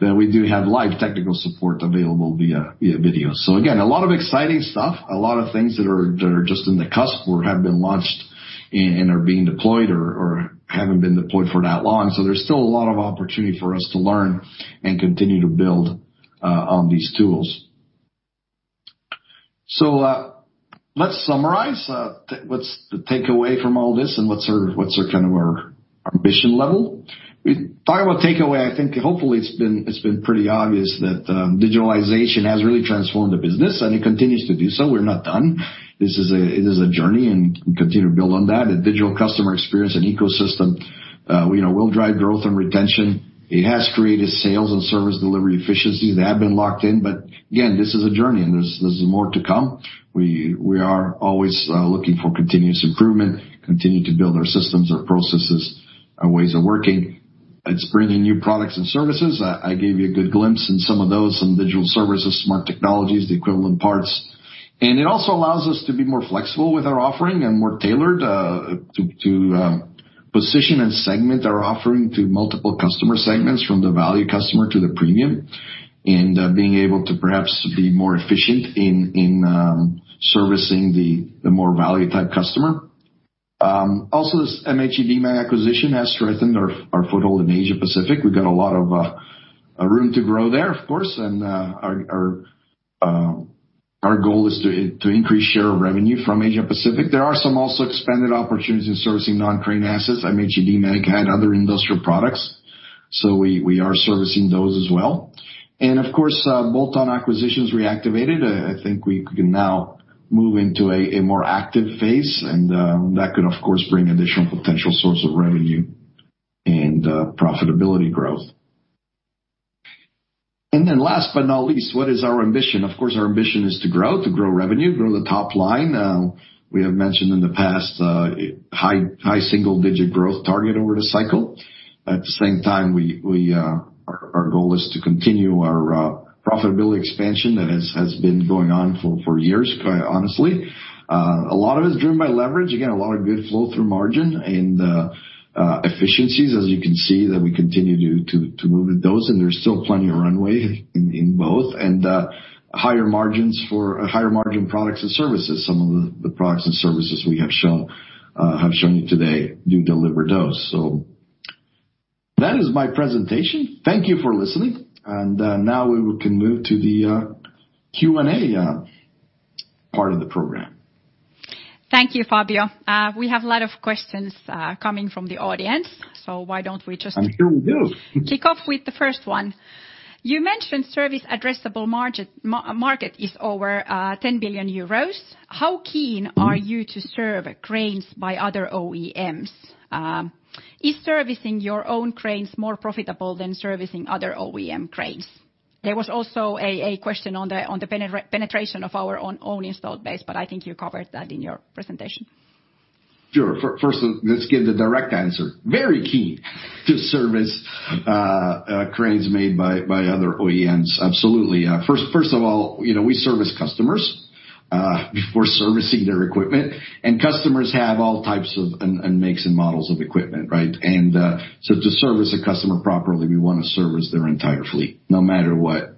That we do have live technical support available via video. Again, a lot of exciting stuff, a lot of things that are just in the cusp or have been launched and are being deployed or haven't been deployed for that long. There's still a lot of opportunity for us to learn and continue to build on these tools. Let's summarize. What's the takeaway from all this, and what's our ambition level? Talking about takeaway, I think hopefully it's been pretty obvious that digitalization has really transformed the business, and it continues to do so. We're not done. This is a journey, and we continue to build on that. A digital customer experience and ecosystem will drive growth and retention. It has created sales and service delivery efficiencies that have been locked in. Again, this is a journey, and there's more to come. We are always looking for continuous improvement, continue to build our systems, our processes, our ways of working. It's bringing new products and services. I gave you a good glimpse in some of those, some digital services, smart technologies, the equivalent parts. It also allows us to be more flexible with our offering and more tailored to position and segment our offering to multiple customer segments, from the value customer to the premium. Being able to perhaps be more efficient in servicing the more value-type customer. Also, this MHE-Demag acquisition has strengthened our foothold in Asia Pacific. We've got a lot of room to grow there, of course. Our goal is to increase share of revenue from Asia Pacific. There are some also expanded opportunities in servicing non-crane assets. MHE-Demag had other industrial products, so we are servicing those as well. Of course, bolt-on acquisitions reactivated. I think we can now move into a more active phase and that could of course, bring additional potential source of revenue and profitability growth. Last but not least, what is our ambition? Of course, our ambition is to grow, to grow revenue, grow the top line. We have mentioned in the past, high single-digit growth target over the cycle. At the same time, our goal is to continue our profitability expansion that has been going on for years, quite honestly. A lot of it is driven by leverage. A lot of good flow through margin and efficiencies, as you can see, that we continue to move with those, and there's still plenty of runway in both. Higher margin products and services. Some of the products and services we have shown you today do deliver those. That is my presentation. Thank you for listening. Now we can move to the Q&A part of the program. Thank you, Fabio. We have a lot of questions coming from the audience, why don't we just. I'm sure we do. Kick off with the first one. You mentioned service addressable market is over 10 billion euros. How keen are you to serve cranes by other OEMs? Is servicing your own cranes more profitable than servicing other OEM cranes? There was also a question on the penetration of our own installed base, but I think you covered that in your presentation. Sure. First, let's give the direct answer. Very keen to service cranes made by other OEMs. Absolutely. First of all, we service customers, we're servicing their equipment. Customers have all types of, and makes and models of equipment, right? To service a customer properly, we want to service their entire fleet, no matter what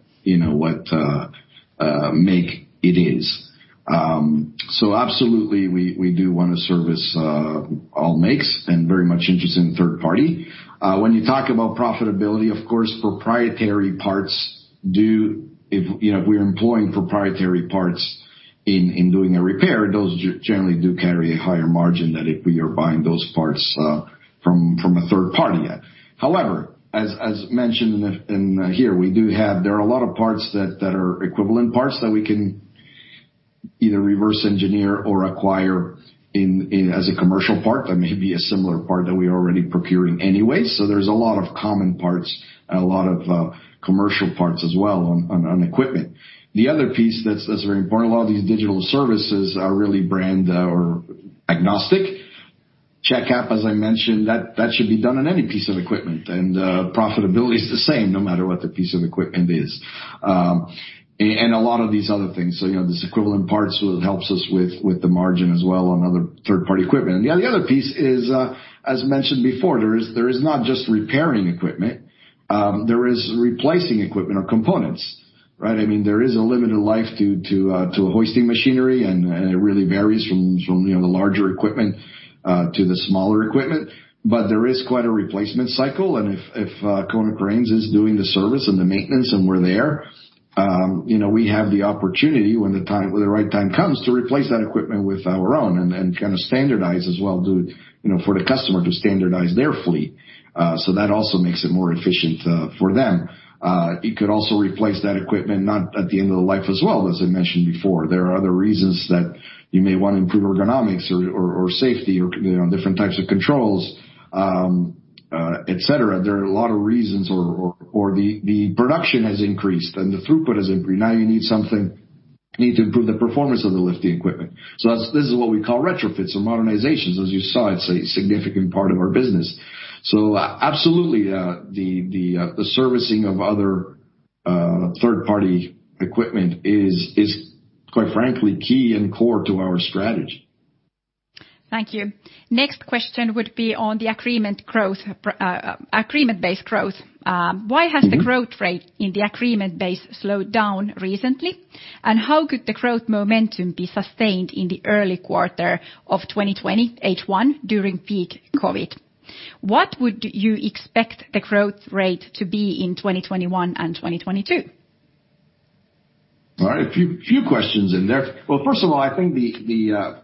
make it is. Absolutely, we do want to service all makes, and very much interested in third party. When you talk about profitability, of course, proprietary parts. If we're employing proprietary parts in doing a repair, those generally do carry a higher margin than if we are buying those parts from a third party. However, as mentioned in here, there are a lot of parts that are equivalent parts that we can either reverse engineer or acquire as a commercial part that may be a similar part that we are already procuring anyway. There's a lot of common parts and a lot of commercial parts as well on equipment. The other piece that's very important, a lot of these digital services are really brand agnostic. CheckApp, as I mentioned, that should be done on any piece of equipment. Profitability is the same no matter what the piece of equipment is. A lot of these other things, so these equivalent parts helps us with the margin as well on other third-party equipment. The other piece is, as mentioned before, there is not just repairing equipment, there is replacing equipment or components, right? There is a limited life to a hoisting machinery, and it really varies from the larger equipment to the smaller equipment. There is quite a replacement cycle, and if Konecranes is doing the service and the maintenance and we're there, we have the opportunity when the right time comes to replace that equipment with our own and standardize as well for the customer to standardize their fleet. That also makes it more efficient for them. It could also replace that equipment not at the end of the life as well, as I mentioned before. There are other reasons that you may want to improve ergonomics or safety or different types of controls, et cetera. There are a lot of reasons, or the production has increased, and the throughput has increased. Now you need to improve the performance of the lifting equipment. This is what we call retrofits or modernizations. As you saw, it's a significant part of our business. Absolutely, the servicing of other third-party equipment is, quite frankly, key and core to our strategy. Thank you. Next question would be on the agreement-based growth. Why has the growth rate in the agreement base slowed down recently? How could the growth momentum be sustained in the early quarter of 2020, H1, during peak COVID? What would you expect the growth rate to be in 2021 and 2022? All right. A few questions in there. Well, first of all, I think the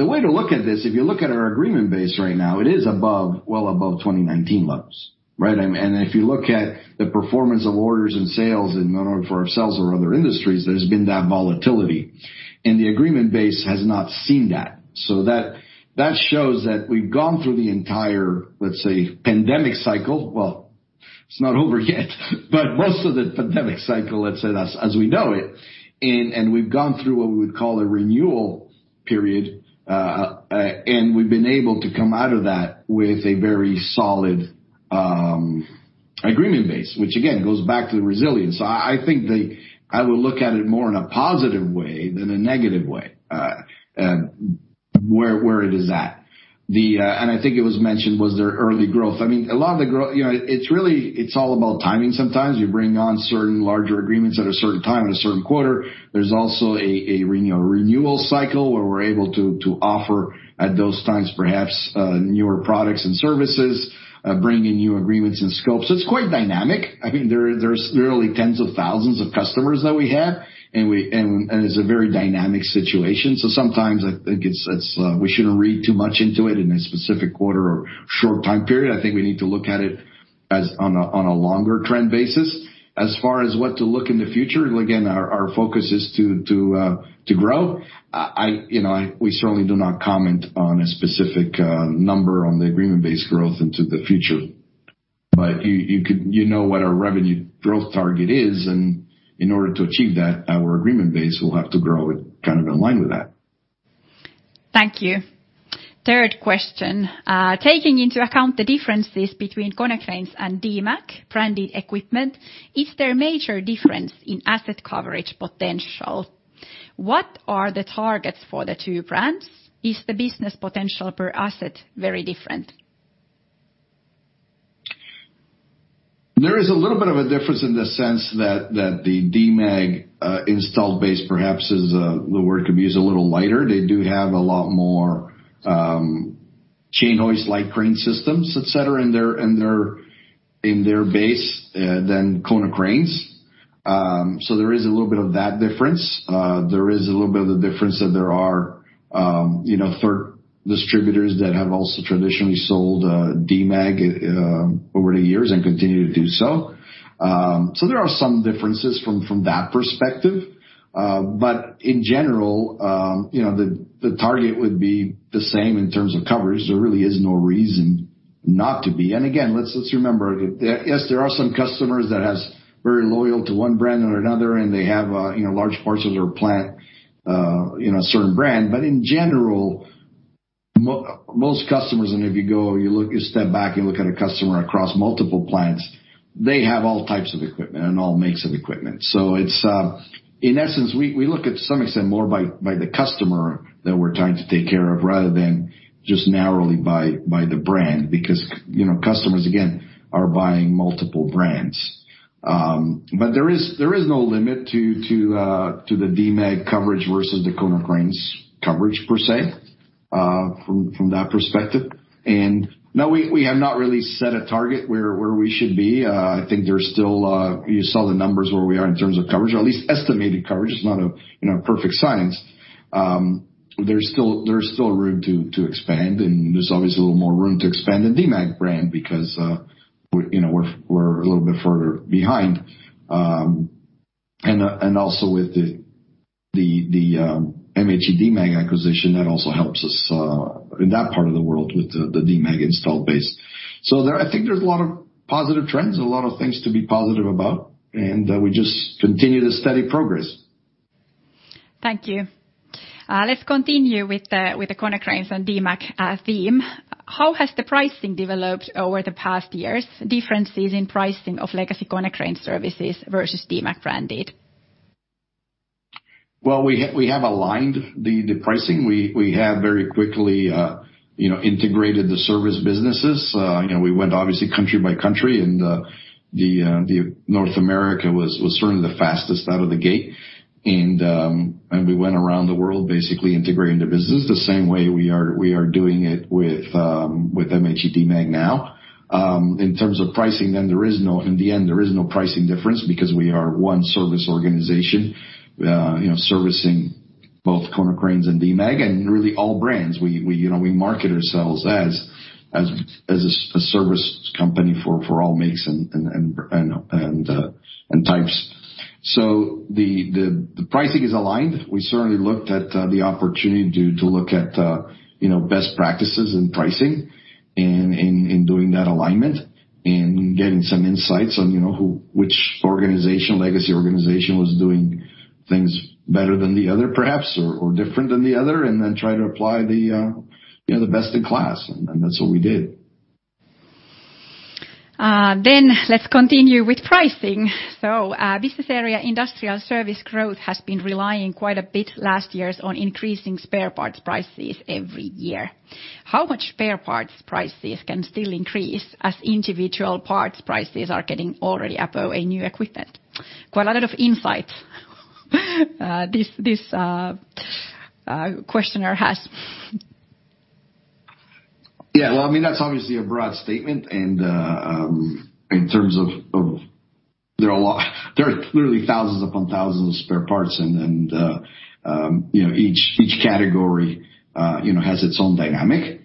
way to look at this, if you look at our agreement base right now, it is well above 2019 levels, right? If you look at the performance of orders and sales, and not only for ourselves or other industries, there's been that volatility. The agreement base has not seen that. That shows that we've gone through the entire, let's say, pandemic cycle, well, it's not over yet, but most of the pandemic cycle, let's say, as we know it, and we've gone through what we would call a renewal period, and we've been able to come out of that with a very solid agreement base, which again, goes back to the resilience. I think that I would look at it more in a positive way than a negative way, where it is at. I think it was mentioned, was there early growth? It's all about timing sometimes. You bring on certain larger agreements at a certain time, at a certain quarter. There's also a renewal cycle where we're able to offer at those times, perhaps, newer products and services, bring in new agreements and scopes. It's quite dynamic. There's literally tens of thousands of customers that we have, and it's a very dynamic situation. Sometimes, I think we shouldn't read too much into it in a specific quarter or short time period. I think we need to look at it on a longer trend basis. As far as what to look in the future, again, our focus is to grow. We certainly do not comment on a specific number on the agreement-based growth into the future. You know what our revenue growth target is, and in order to achieve that, our agreement base will have to grow kind of in line with that. Thank you. Third question. Taking into account the differences between Konecranes and Demag branded equipment, is there a major difference in asset coverage potential? What are the targets for the two brands? Is the business potential per asset very different? There is a little bit of a difference in the sense that the Demag install base perhaps is, the word could be used, a little lighter. They do have a lot more chain hoist, light crane systems, et cetera, in their base than Konecranes. There is a little bit of that difference. There is a little bit of the difference that there are third distributors that have also traditionally sold Demag over the years and continue to do so. There are some differences from that perspective. In general, the target would be the same in terms of coverage. There really is no reason not to be. Again, let's remember, yes, there are some customers that has very loyal to one brand or another, and they have large parts of their plant, certain brand. In general, most customers, and if you go, you step back, you look at a customer across multiple plants, they have all types of equipment and all makes of equipment. In essence, we look at some extent more by the customer that we're trying to take care of, rather than just narrowly by the brand, because customers, again, are buying multiple brands. There is no limit to the Demag coverage versus the Konecranes coverage, per se, from that perspective. No, we have not really set a target where we should be. I think you saw the numbers where we are in terms of coverage, or at least estimated coverage. It's not a perfect science. There's still room to expand, and there's obviously a little more room to expand the Demag brand because we're a little bit further behind. With the MHE-Demag acquisition, that also helps us in that part of the world with the Demag installed base. I think there's a lot of positive trends and a lot of things to be positive about, and we just continue the steady progress. Thank you. Let's continue with the Konecranes and Demag theme. How has the pricing developed over the past years, differences in pricing of legacy Konecranes services versus Demag branded? Well, we have aligned the pricing. We have very quickly integrated the service businesses. We went, obviously, country by country, and North America was certainly the fastest out of the gate. We went around the world, basically integrating the business the same way we are doing it with MHE-Demag now. In terms of pricing, in the end, there is no pricing difference because we are one service organization, servicing both Konecranes and Demag and really all brands. We market ourselves as a service company for all makes and types. The pricing is aligned. We certainly looked at the opportunity to look at best practices and pricing and in doing that alignment and getting some insights on which legacy organization was doing things better than the other, perhaps, or different than the other, and then try to apply the best in class, and that's what we did. Let's continue with pricing. Business Area Industrial Service growth has been relying quite a bit last years on increasing spare parts prices every year. How much spare parts prices can still increase as individual parts prices are getting already above a new equipment? Quite a lot of insights this questionnaire has. Yeah. Well, that's obviously a broad statement. There are literally thousands upon thousands of spare parts. Each category has its own dynamic.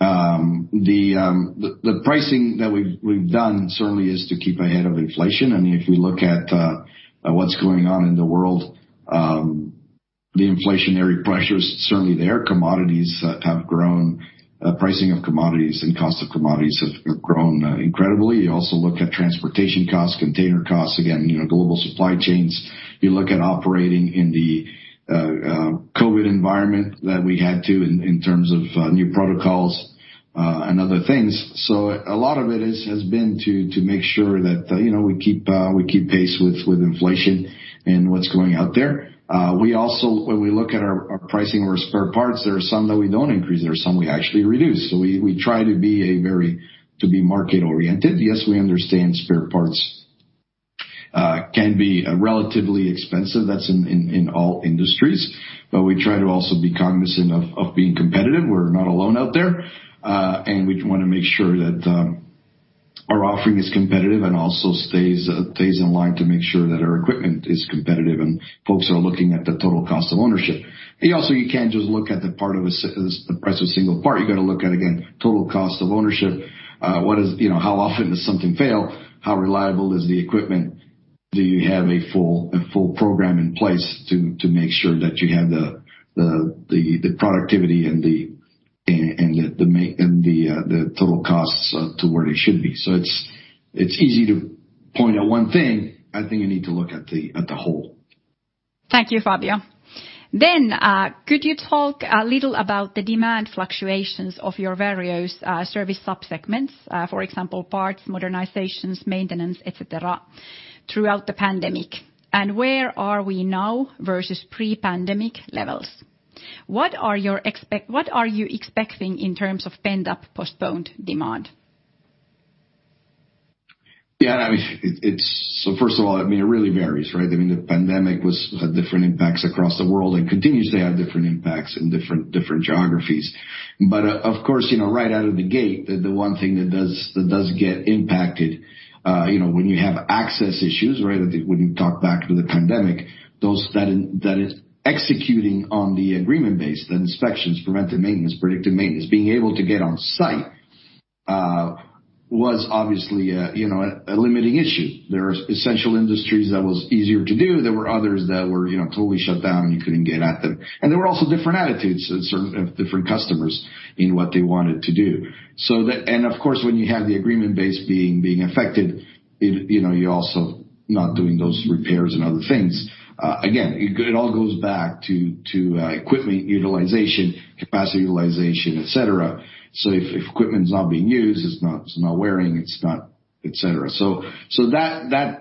The pricing that we've done certainly is to keep ahead of inflation. If we look at what's going on in the world. The inflationary pressures, certainly there. Commodities have grown, pricing of commodities and cost of commodities have grown incredibly. You also look at transportation costs, container costs, again, global supply chains. You look at operating in the COVID environment that we had to in terms of new protocols, and other things. A lot of it has been to make sure that we keep pace with inflation and what's going out there. When we look at our pricing or spare parts, there are some that we don't increase, there are some we actually reduce. We try to be market-oriented. Yes, we understand spare parts can be relatively expensive. That's in all industries. We try to also be cognizant of being competitive. We're not alone out there. We want to make sure that our offering is competitive and also stays in line to make sure that our equipment is competitive, and folks are looking at the total cost of ownership. You can't just look at the price of a single part. You got to look at, again, total cost of ownership. How often does something fail? How reliable is the equipment? Do you have a full program in place to make sure that you have the productivity and the total costs to where they should be? It's easy to point at one thing. I think you need to look at the whole. Thank you, Fabio. Could you talk a little about the demand fluctuations of your various service subsegments, for example, parts, modernizations, maintenance, et cetera, throughout the pandemic? Where are we now versus pre-pandemic levels? What are you expecting in terms of pent-up postponed demand? Yeah. First of all, it really varies, right? The pandemic had different impacts across the world and continues to have different impacts in different geographies. Of course, right out of the gate, the one thing that does get impacted, when you have access issues, right, when you talk back to the pandemic, that is executing on the agreement base, the inspections, preventive maintenance, predictive maintenance, being able to get on site, was obviously a limiting issue. There are essential industries that was easier to do. There were others that were totally shut down, and you couldn't get at them. There were also different attitudes of different customers in what they wanted to do. Of course, when you have the agreement base being affected, you're also not doing those repairs and other things. Again, it all goes back to equipment utilization, capacity utilization, et cetera. If equipment's not being used, it's not wearing, it's not, et cetera. That,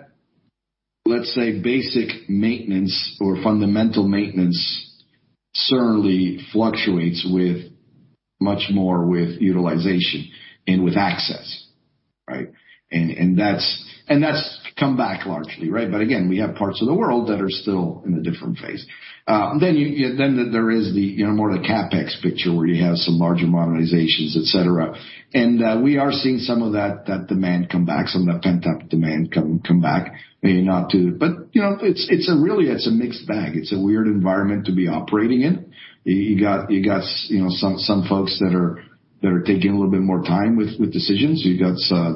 let's say, basic maintenance or fundamental maintenance certainly fluctuates much more with utilization and with access, right? That's come back largely, right? Again, we have parts of the world that are still in a different phase. There is more the CapEx picture where you have some larger modernizations, et cetera. We are seeing some of that demand come back, some of that pent-up demand come back. Really, it's a mixed bag. It's a weird environment to be operating in. You got some folks that are taking a little bit more time with decisions.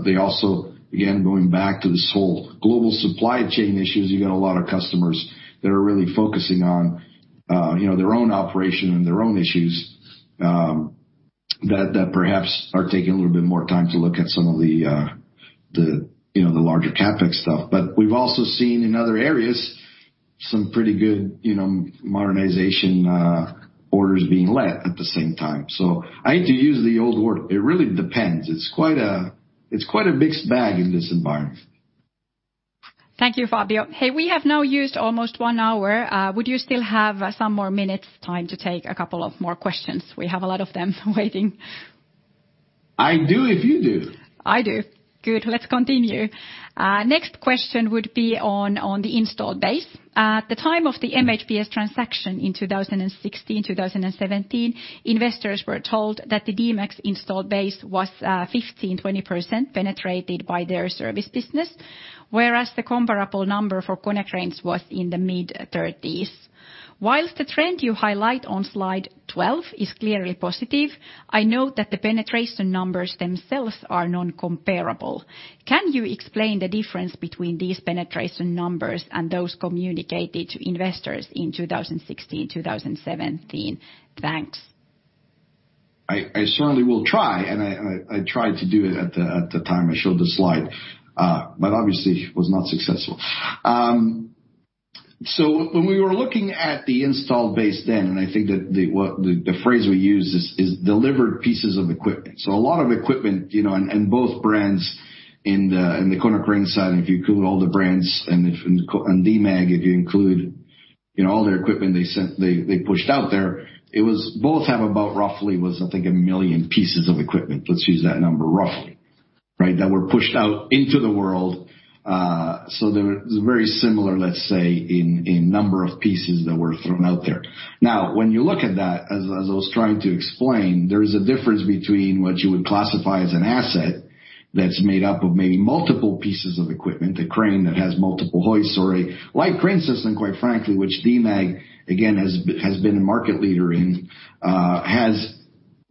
They also, again, going back to this whole global supply chain issues, you got a lot of customers that are really focusing on their own operation and their own issues, that perhaps are taking a little bit more time to look at some of the larger CapEx stuff. We've also seen in other areas some pretty good modernization orders being let at the same time. I hate to use the old word. It really depends. It's quite a mixed bag in this environment. Thank you, Fabio. Hey, we have now used almost one hour. Would you still have some more minutes time to take a couple of more questions? We have a lot of them waiting. I do if you do. I do. Good. Let's continue. Next question would be on the installed base. At the time of the MHPS transaction in 2016-2017, investors were told that the Demag installed base was 15%-20% penetrated by their service business, whereas the comparable number for Konecranes was in the mid-30s. Whilst the trend you highlight on slide 12 is clearly positive, I note that the penetration numbers themselves are non-comparable. Can you explain the difference between these penetration numbers and those communicated to investors in 2016-2017? Thanks. I certainly will try, and I tried to do it at the time I showed the slide, but obviously was not successful. When we were looking at the installed base then, I think that the phrase we use is delivered pieces of equipment. A lot of equipment, in both brands in the Konecranes side, if you include all the brands and Demag, if you include all their equipment they pushed out there, both have about roughly was, I think, a million pieces of equipment, let's use that number roughly, right, that were pushed out into the world. They're very similar, let's say, in number of pieces that were thrown out there. When you look at that, as I was trying to explain, there is a difference between what you would classify as an asset that's made up of maybe multiple pieces of equipment, a crane that has multiple hoists or a light crane system, quite frankly, which Demag again, has been a market leader in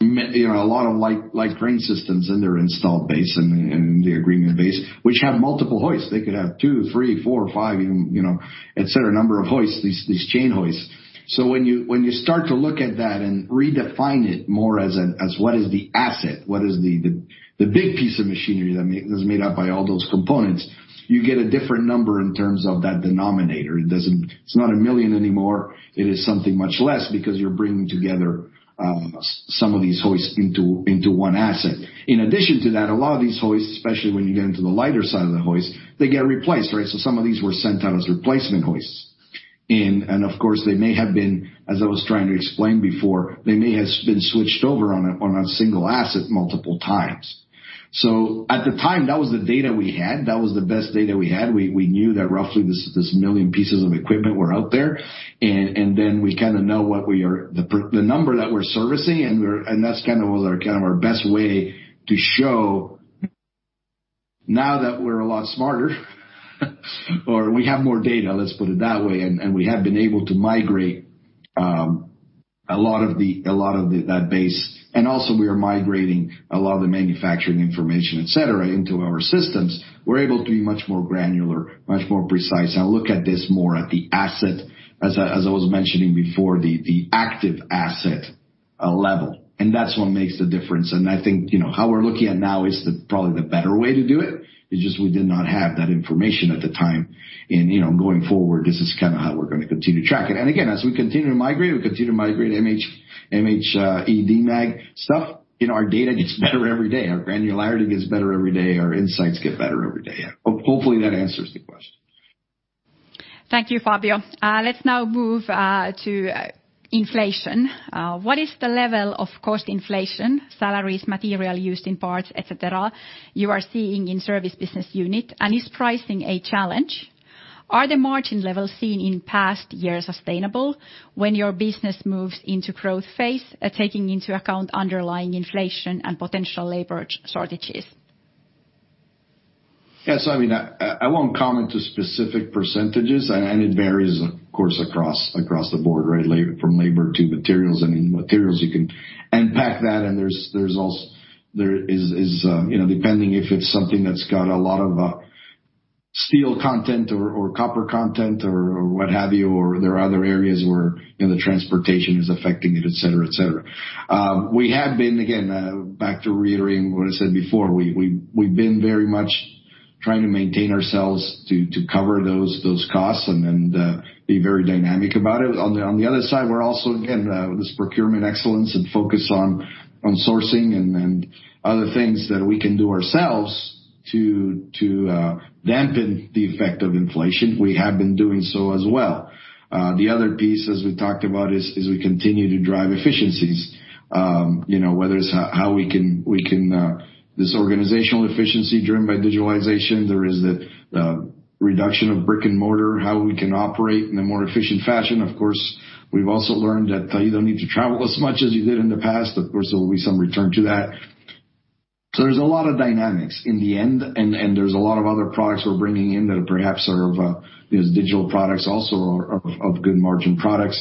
a lot of light crane systems in their installed base and the agreement base, which have multiple hoists. They could have two, three, four, or five, et cetera, number of hoists, these chain hoists. When you start to look at that and redefine it more as what is the asset, what is the big piece of machinery that's made up by all those components, you get a different number in terms of that denominator. It's not a million anymore. It is something much less because you're bringing together some of these hoists into one asset. In addition to that, a lot of these hoists, especially when you get into the lighter side of the hoist, they get replaced, right? Some of these were sent out as replacement hoists. Of course, they may have been, as I was trying to explain before, they may have been switched over on a single asset multiple times. At the time, that was the data we had. That was the best data we had. We knew that roughly this a million pieces of equipment were out there. Then we know the number that we're servicing, and that's our best way to show now that we're a lot smarter, or we have more data, let's put it that way, and we have been able to migrate a lot of that base. Also we are migrating a lot of the manufacturing information, et cetera, into our systems. We're able to be much more granular, much more precise, and look at this more at the asset, as I was mentioning before, the active asset level. That's what makes the difference. I think how we're looking at it now is probably the better way to do it. It's just we did not have that information at the time. Going forward, this is how we're going to continue to track it. Again, as we continue to migrate MHE-Demag stuff, our data gets better every day. Our granularity gets better every day. Our insights get better every day. Hopefully, that answers the question. Thank you, Fabio. Let's now move to inflation. What is the level of cost inflation, salaries, material used in parts, et cetera, you are seeing in Service business unit? Is pricing a challenge? Are the margin levels seen in past years sustainable when your business moves into growth phase, taking into account underlying inflation and potential labor shortages? Yeah. I won't comment to specific percentages, and it varies, of course, across the board, right from labor to materials. Materials, you can unpack that, depending if it's something that's got a lot of steel content or copper content or what have you, or there are other areas where the transportation is affecting it, et cetera. We have been, again, back to reiterating what I said before, we've been very much trying to maintain ourselves to cover those costs and be very dynamic about it. On the other side, we're also, again, with this procurement excellence and focus on sourcing and other things that we can do ourselves to dampen the effect of inflation. We have been doing so as well. The other piece, as we talked about, is we continue to drive efficiencies. There's organizational efficiency driven by digitalization. There is the reduction of brick and mortar, how we can operate in a more efficient fashion. Of course, we've also learned that you don't need to travel as much as you did in the past. Of course, there will be some return to that. There's a lot of dynamics in the end, and there's a lot of other products we're bringing in that perhaps are of these digital products also are of good margin products.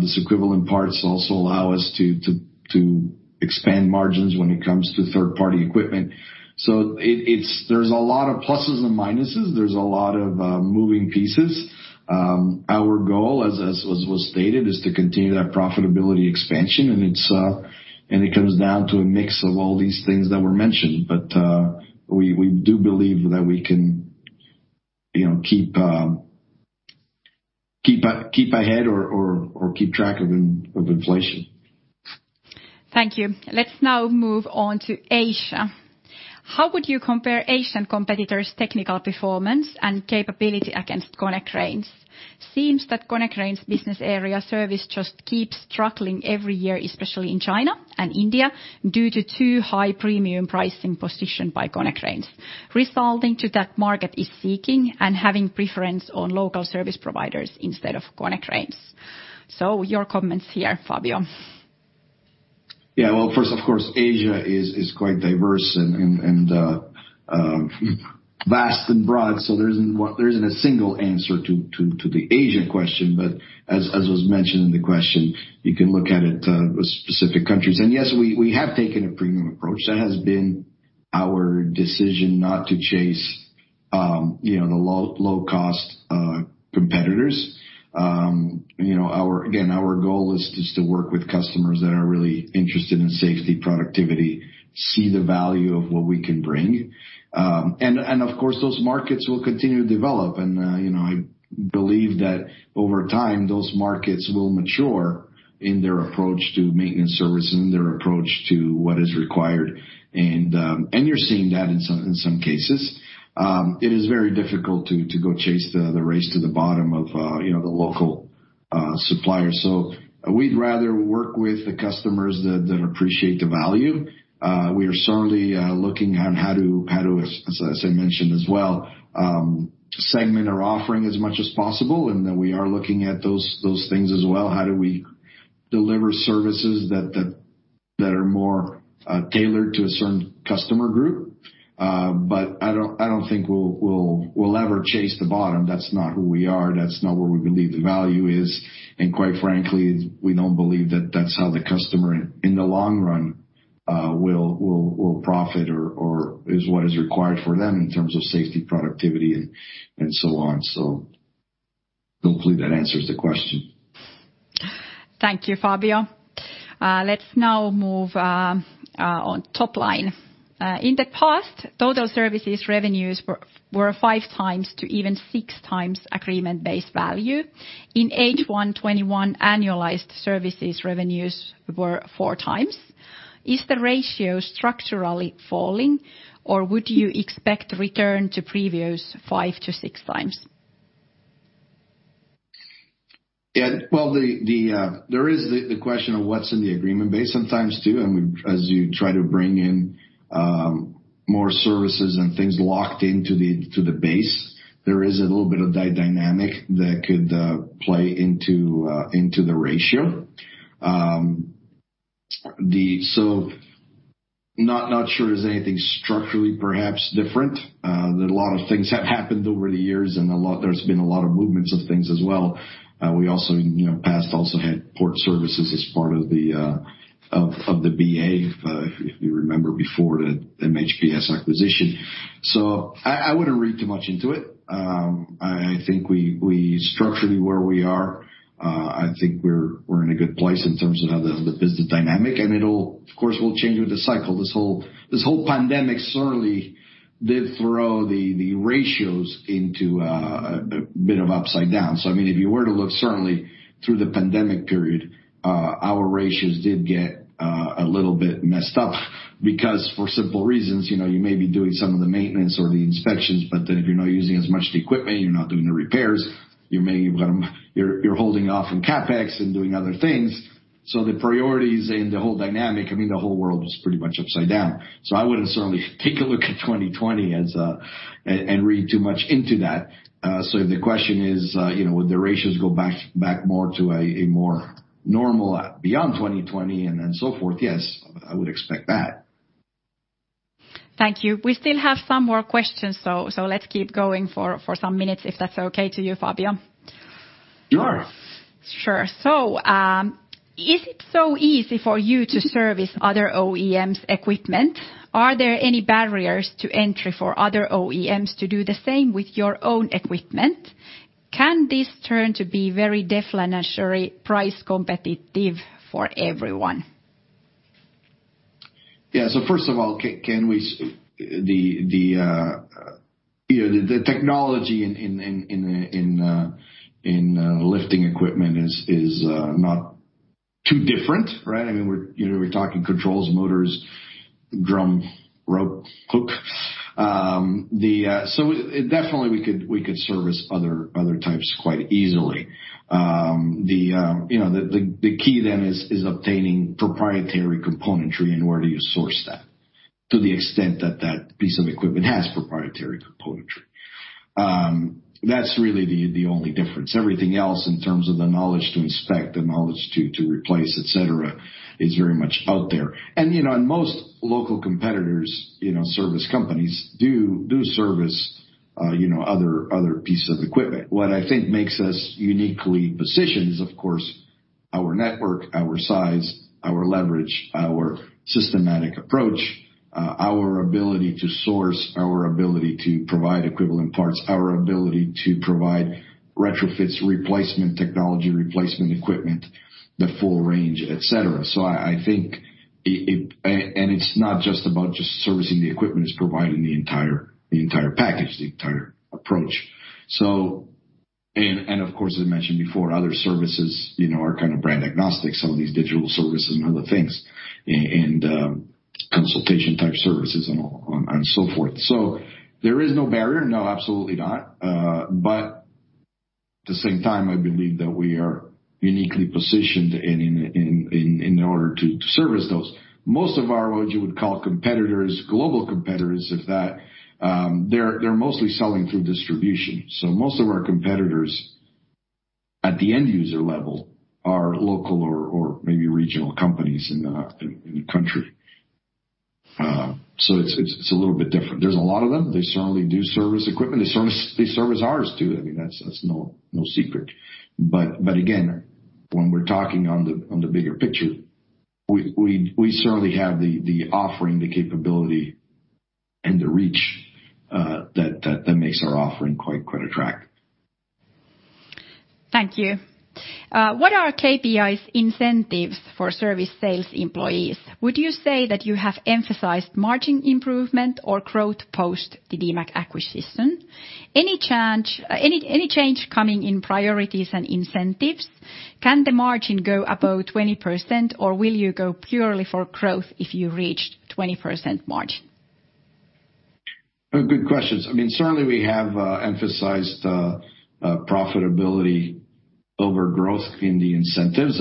These equivalent parts also allow us to expand margins when it comes to third-party equipment. There's a lot of pluses and minuses. There's a lot of moving pieces. Our goal, as was stated, is to continue that profitability expansion, and it comes down to a mix of all these things that were mentioned. We do believe that we can keep ahead or keep track of inflation. Thank you. Let's now move on to Asia. How would you compare Asian competitors' technical performance and capability against Konecranes? Seems that Konecranes Business Area Service just keeps struggling every year, especially in China and India, due to too high premium pricing position by Konecranes, resulting to that market is seeking and having preference on local service providers instead of Konecranes. Your comments here, Fabio. Well, first, of course, Asia is quite diverse and vast and broad, so there isn't a single answer to the Asia question. As was mentioned in the question, you can look at it with specific countries. Yes, we have taken a premium approach. That has been our decision not to chase the low-cost competitors. Again, our goal is just to work with customers that are really interested in safety, productivity, see the value of what we can bring. Of course, those markets will continue to develop. I believe that over time, those markets will mature in their approach to maintenance service and their approach to what is required. You're seeing that in some cases. It is very difficult to go chase the race to the bottom of the local supplier. We'd rather work with the customers that appreciate the value. We are certainly looking at how to, as I mentioned as well, segment our offering as much as possible, we are looking at those things as well. How do we deliver services that are more tailored to a certain customer group? I don't think we'll ever chase the bottom. That's not who we are. That's not where we believe the value is. Quite frankly, we don't believe that that's how the customer in the long run will profit or is what is required for them in terms of safety, productivity, and so on. Hopefully that answers the question. Thank you, Fabio. Let's now move on top line. In the past, total services revenues were 5x to even 6x agreement-based value. In H1 2021, annualized services revenues were 4x. Is the ratio structurally falling, or would you expect return to previous 5x-6x? Yeah. Well, there is the question of what's in the agreement base sometimes, too, and as you try to bring in more services and things locked into the base, there is a little bit of that dynamic that could play into the ratio. Not sure there's anything structurally perhaps different. A lot of things have happened over the years and there's been a lot of movements of things as well. We also, in the past, also had Port Services as part of the BA, if you remember before the MHPS acquisition. I wouldn't read too much into it. I think structurally where we are, I think we're in a good place in terms of the business dynamic, and it, of course, will change with the cycle. This whole pandemic certainly did throw the ratios into a bit of upside down. I mean, if you were to look certainly through the pandemic period, our ratios did get a little bit messed up because for simple reasons, you may be doing some of the maintenance or the inspections, but then if you're not using as much of the equipment, you're not doing the repairs, you're holding off on CapEx and doing other things. The priorities and the whole dynamic, I mean, the whole world was pretty much upside down. I wouldn't certainly take a look at 2020 and read too much into that. If the question is would the ratios go back more to a more normal beyond 2020 and then so forth, yes, I would expect that. Thank you. We still have some more questions, so let's keep going for some minutes, if that's okay to you, Fabio. Sure. Sure. Is it so easy for you to service other OEMs equipment? Are there any barriers to entry for other OEMs to do the same with your own equipment? Can this turn to be very deflationary price competitive for everyone? Yeah. First of all, the technology in lifting equipment is not too different, right? I mean, we're talking controls, motors, drum, rope, hook. Definitely we could service other types quite easily. The key then is obtaining proprietary componentry and where do you source that, to the extent that that piece of equipment has proprietary componentry. That's really the only difference. Everything else in terms of the knowledge to inspect, the knowledge to replace, et cetera, is very much out there. Most local competitors, service companies do service other pieces of equipment. What I think makes us uniquely positioned is, of course, our network, our size, our leverage, our systematic approach, our ability to source, our ability to provide equivalent parts, our ability to provide retrofits, replacement technology, replacement equipment, the full range, et cetera. It's not just about just servicing the equipment, it's providing the entire package, the entire approach. Of course, as I mentioned before, other services are kind of brand agnostic, some of these digital services and other things, and consultation type services and so forth. There is no barrier. No, absolutely not. At the same time, I believe that we are uniquely positioned in order to service those. Most of our, what you would call competitors, global competitors, if that, they're mostly selling through distribution. Most of our competitors at the end user level are local or maybe regional companies in the country. It's a little bit different. There's a lot of them. They certainly do service equipment. They service ours, too. I mean, that's no secret. Again, when we're talking on the bigger picture, we certainly have the offering, the capability, and the reach that makes our offering quite attractive. Thank you. What are KPIs incentives for service sales employees? Would you say that you have emphasized margin improvement or growth post the Demag acquisition? Any change coming in priorities and incentives? Can the margin go above 20%, or will you go purely for growth if you reached 20% margin? Good questions. I mean, certainly we have emphasized profitability over growth in the incentives,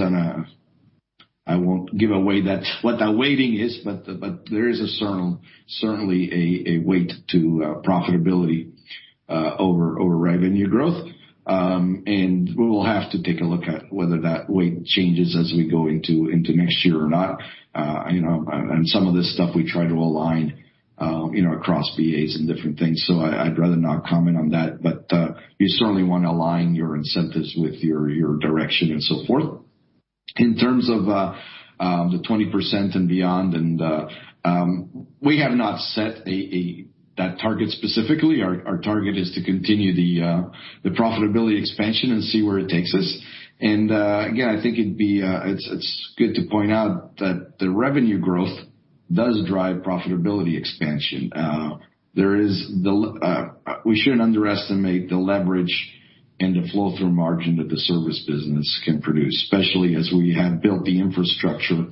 I won't give away what that weighting is, but there is certainly a weight to profitability over revenue growth. We will have to take a look at whether that weight changes as we go into next year or not. Some of this stuff we try to align across BAs and different things. I'd rather not comment on that. You certainly want to align your incentives with your direction and so forth. In terms of the 20% and beyond, we have not set that target specifically. Our target is to continue the profitability expansion and see where it takes us. Again, I think it's good to point out that the revenue growth does drive profitability expansion. We shouldn't underestimate the leverage and the flow-through margin that the service business can produce, especially as we have built the infrastructure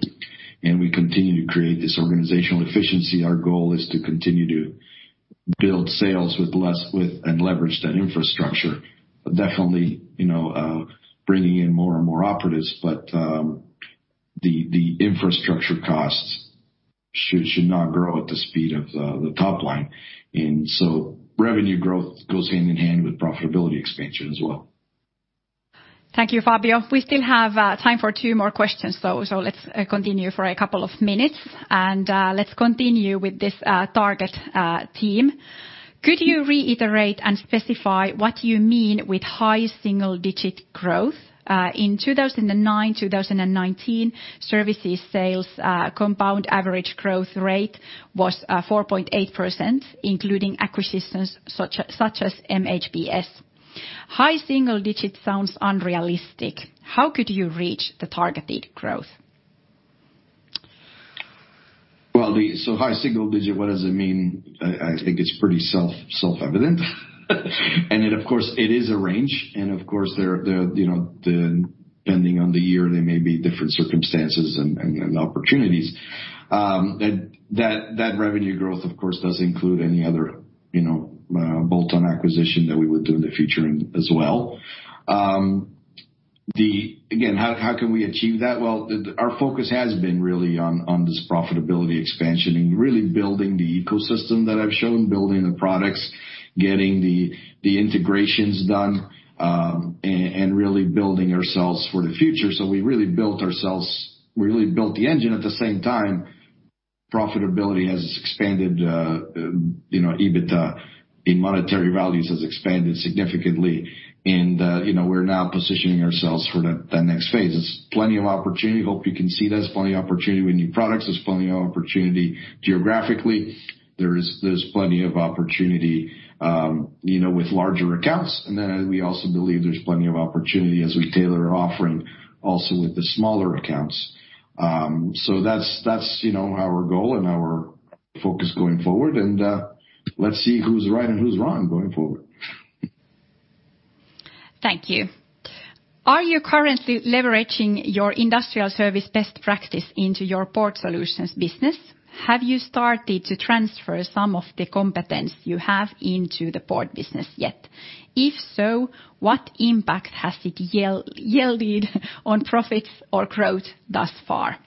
and we continue to create this organizational efficiency. Our goal is to continue to build sales with less width and leverage that infrastructure. Definitely, bringing in more and more operatives, but the infrastructure costs should not grow at the speed of the top line. Revenue growth goes hand in hand with profitability expansion as well. Thank you, Fabio. We still have time for two more questions. Let's continue for a couple of minutes. Let's continue with this target theme. Could you reiterate and specify what you mean with high single-digit growth? In 2009-2019, Service sales compound average growth rate was 4.8%, including acquisitions such as MHPS. High single digit sounds unrealistic. How could you reach the targeted growth? Well, high single-digit, what does it mean? I think it's pretty self-evident. It, of course, it is a range, and of course, depending on the year, there may be different circumstances and opportunities. That revenue growth, of course, does include any other bolt-on acquisition that we would do in the future as well. Again, how can we achieve that? Well, our focus has been really on this profitability expansion and really building the ecosystem that I've shown, building the products, getting the integrations done, and really building ourselves for the future. We really built the engine at the same time. Profitability has expanded, EBITDA in monetary values has expanded significantly, and we're now positioning ourselves for that next phase. There's plenty of opportunity. Hope you can see there's plenty of opportunity with new products. There's plenty of opportunity geographically. There's plenty of opportunity with larger accounts. We also believe there's plenty of opportunity as we tailor offering also with the smaller accounts. That's our goal and our focus going forward, and let's see who's right and who's wrong going forward. Thank you. Are you currently leveraging your industrial service best practice into your Port Solutions business? Have you started to transfer some of the competence you have into the port business yet? If so, what impact has it yielded on profits or growth thus far?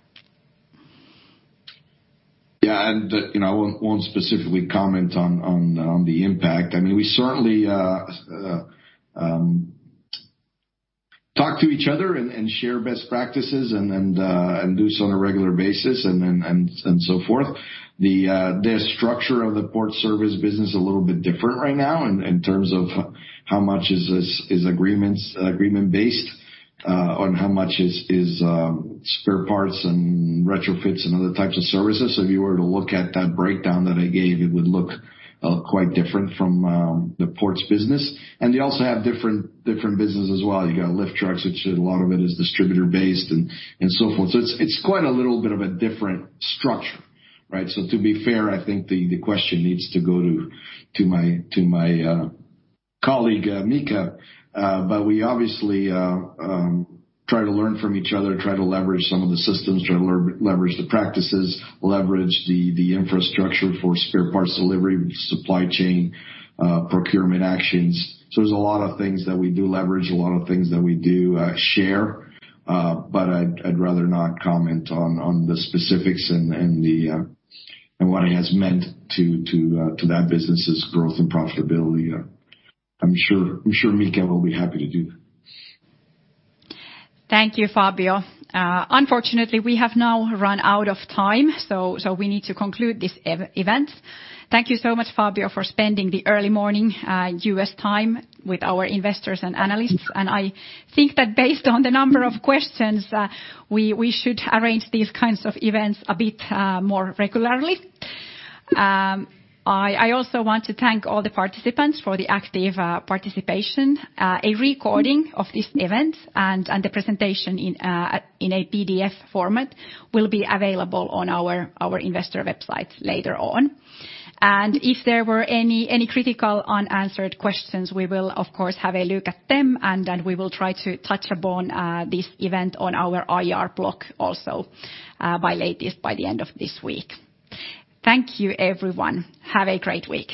Yeah, I won't specifically comment on the impact. I mean, we certainly talk to each other and share best practices and do so on a regular basis, and so forth. The structure of the port service business is a little bit different right now in terms of how much is agreement-based, on how much is spare parts and retrofits and other types of services. If you were to look at that breakdown that I gave, it would look quite different from the Ports business. They also have different business as well. You got lift trucks, which a lot of it is distributor-based and so forth. It's quite a little bit of a different structure, right? To be fair, I think the question needs to go to my colleague, Mika. We obviously try to learn from each other, try to leverage some of the systems, try to leverage the practices, leverage the infrastructure for spare parts delivery, supply chain procurement actions. There's a lot of things that we do leverage, a lot of things that we do share. I'd rather not comment on the specifics and what it has meant to that business' growth and profitability. I'm sure Mika will be happy to do that. Thank you, Fabio. Unfortunately, we have now run out of time. We need to conclude this event. Thank you so much, Fabio, for spending the early morning U.S. time with our investors and analysts. I think that based on the number of questions, we should arrange these kinds of events a bit more regularly. I also want to thank all the participants for the active participation. A recording of this event and the presentation in a PDF format will be available on our investor website later on. If there were any critical unanswered questions, we will of course, have a look at them. Then we will try to touch upon this event on our IR blog also, by latest by the end of this week. Thank you, everyone. Have a great week.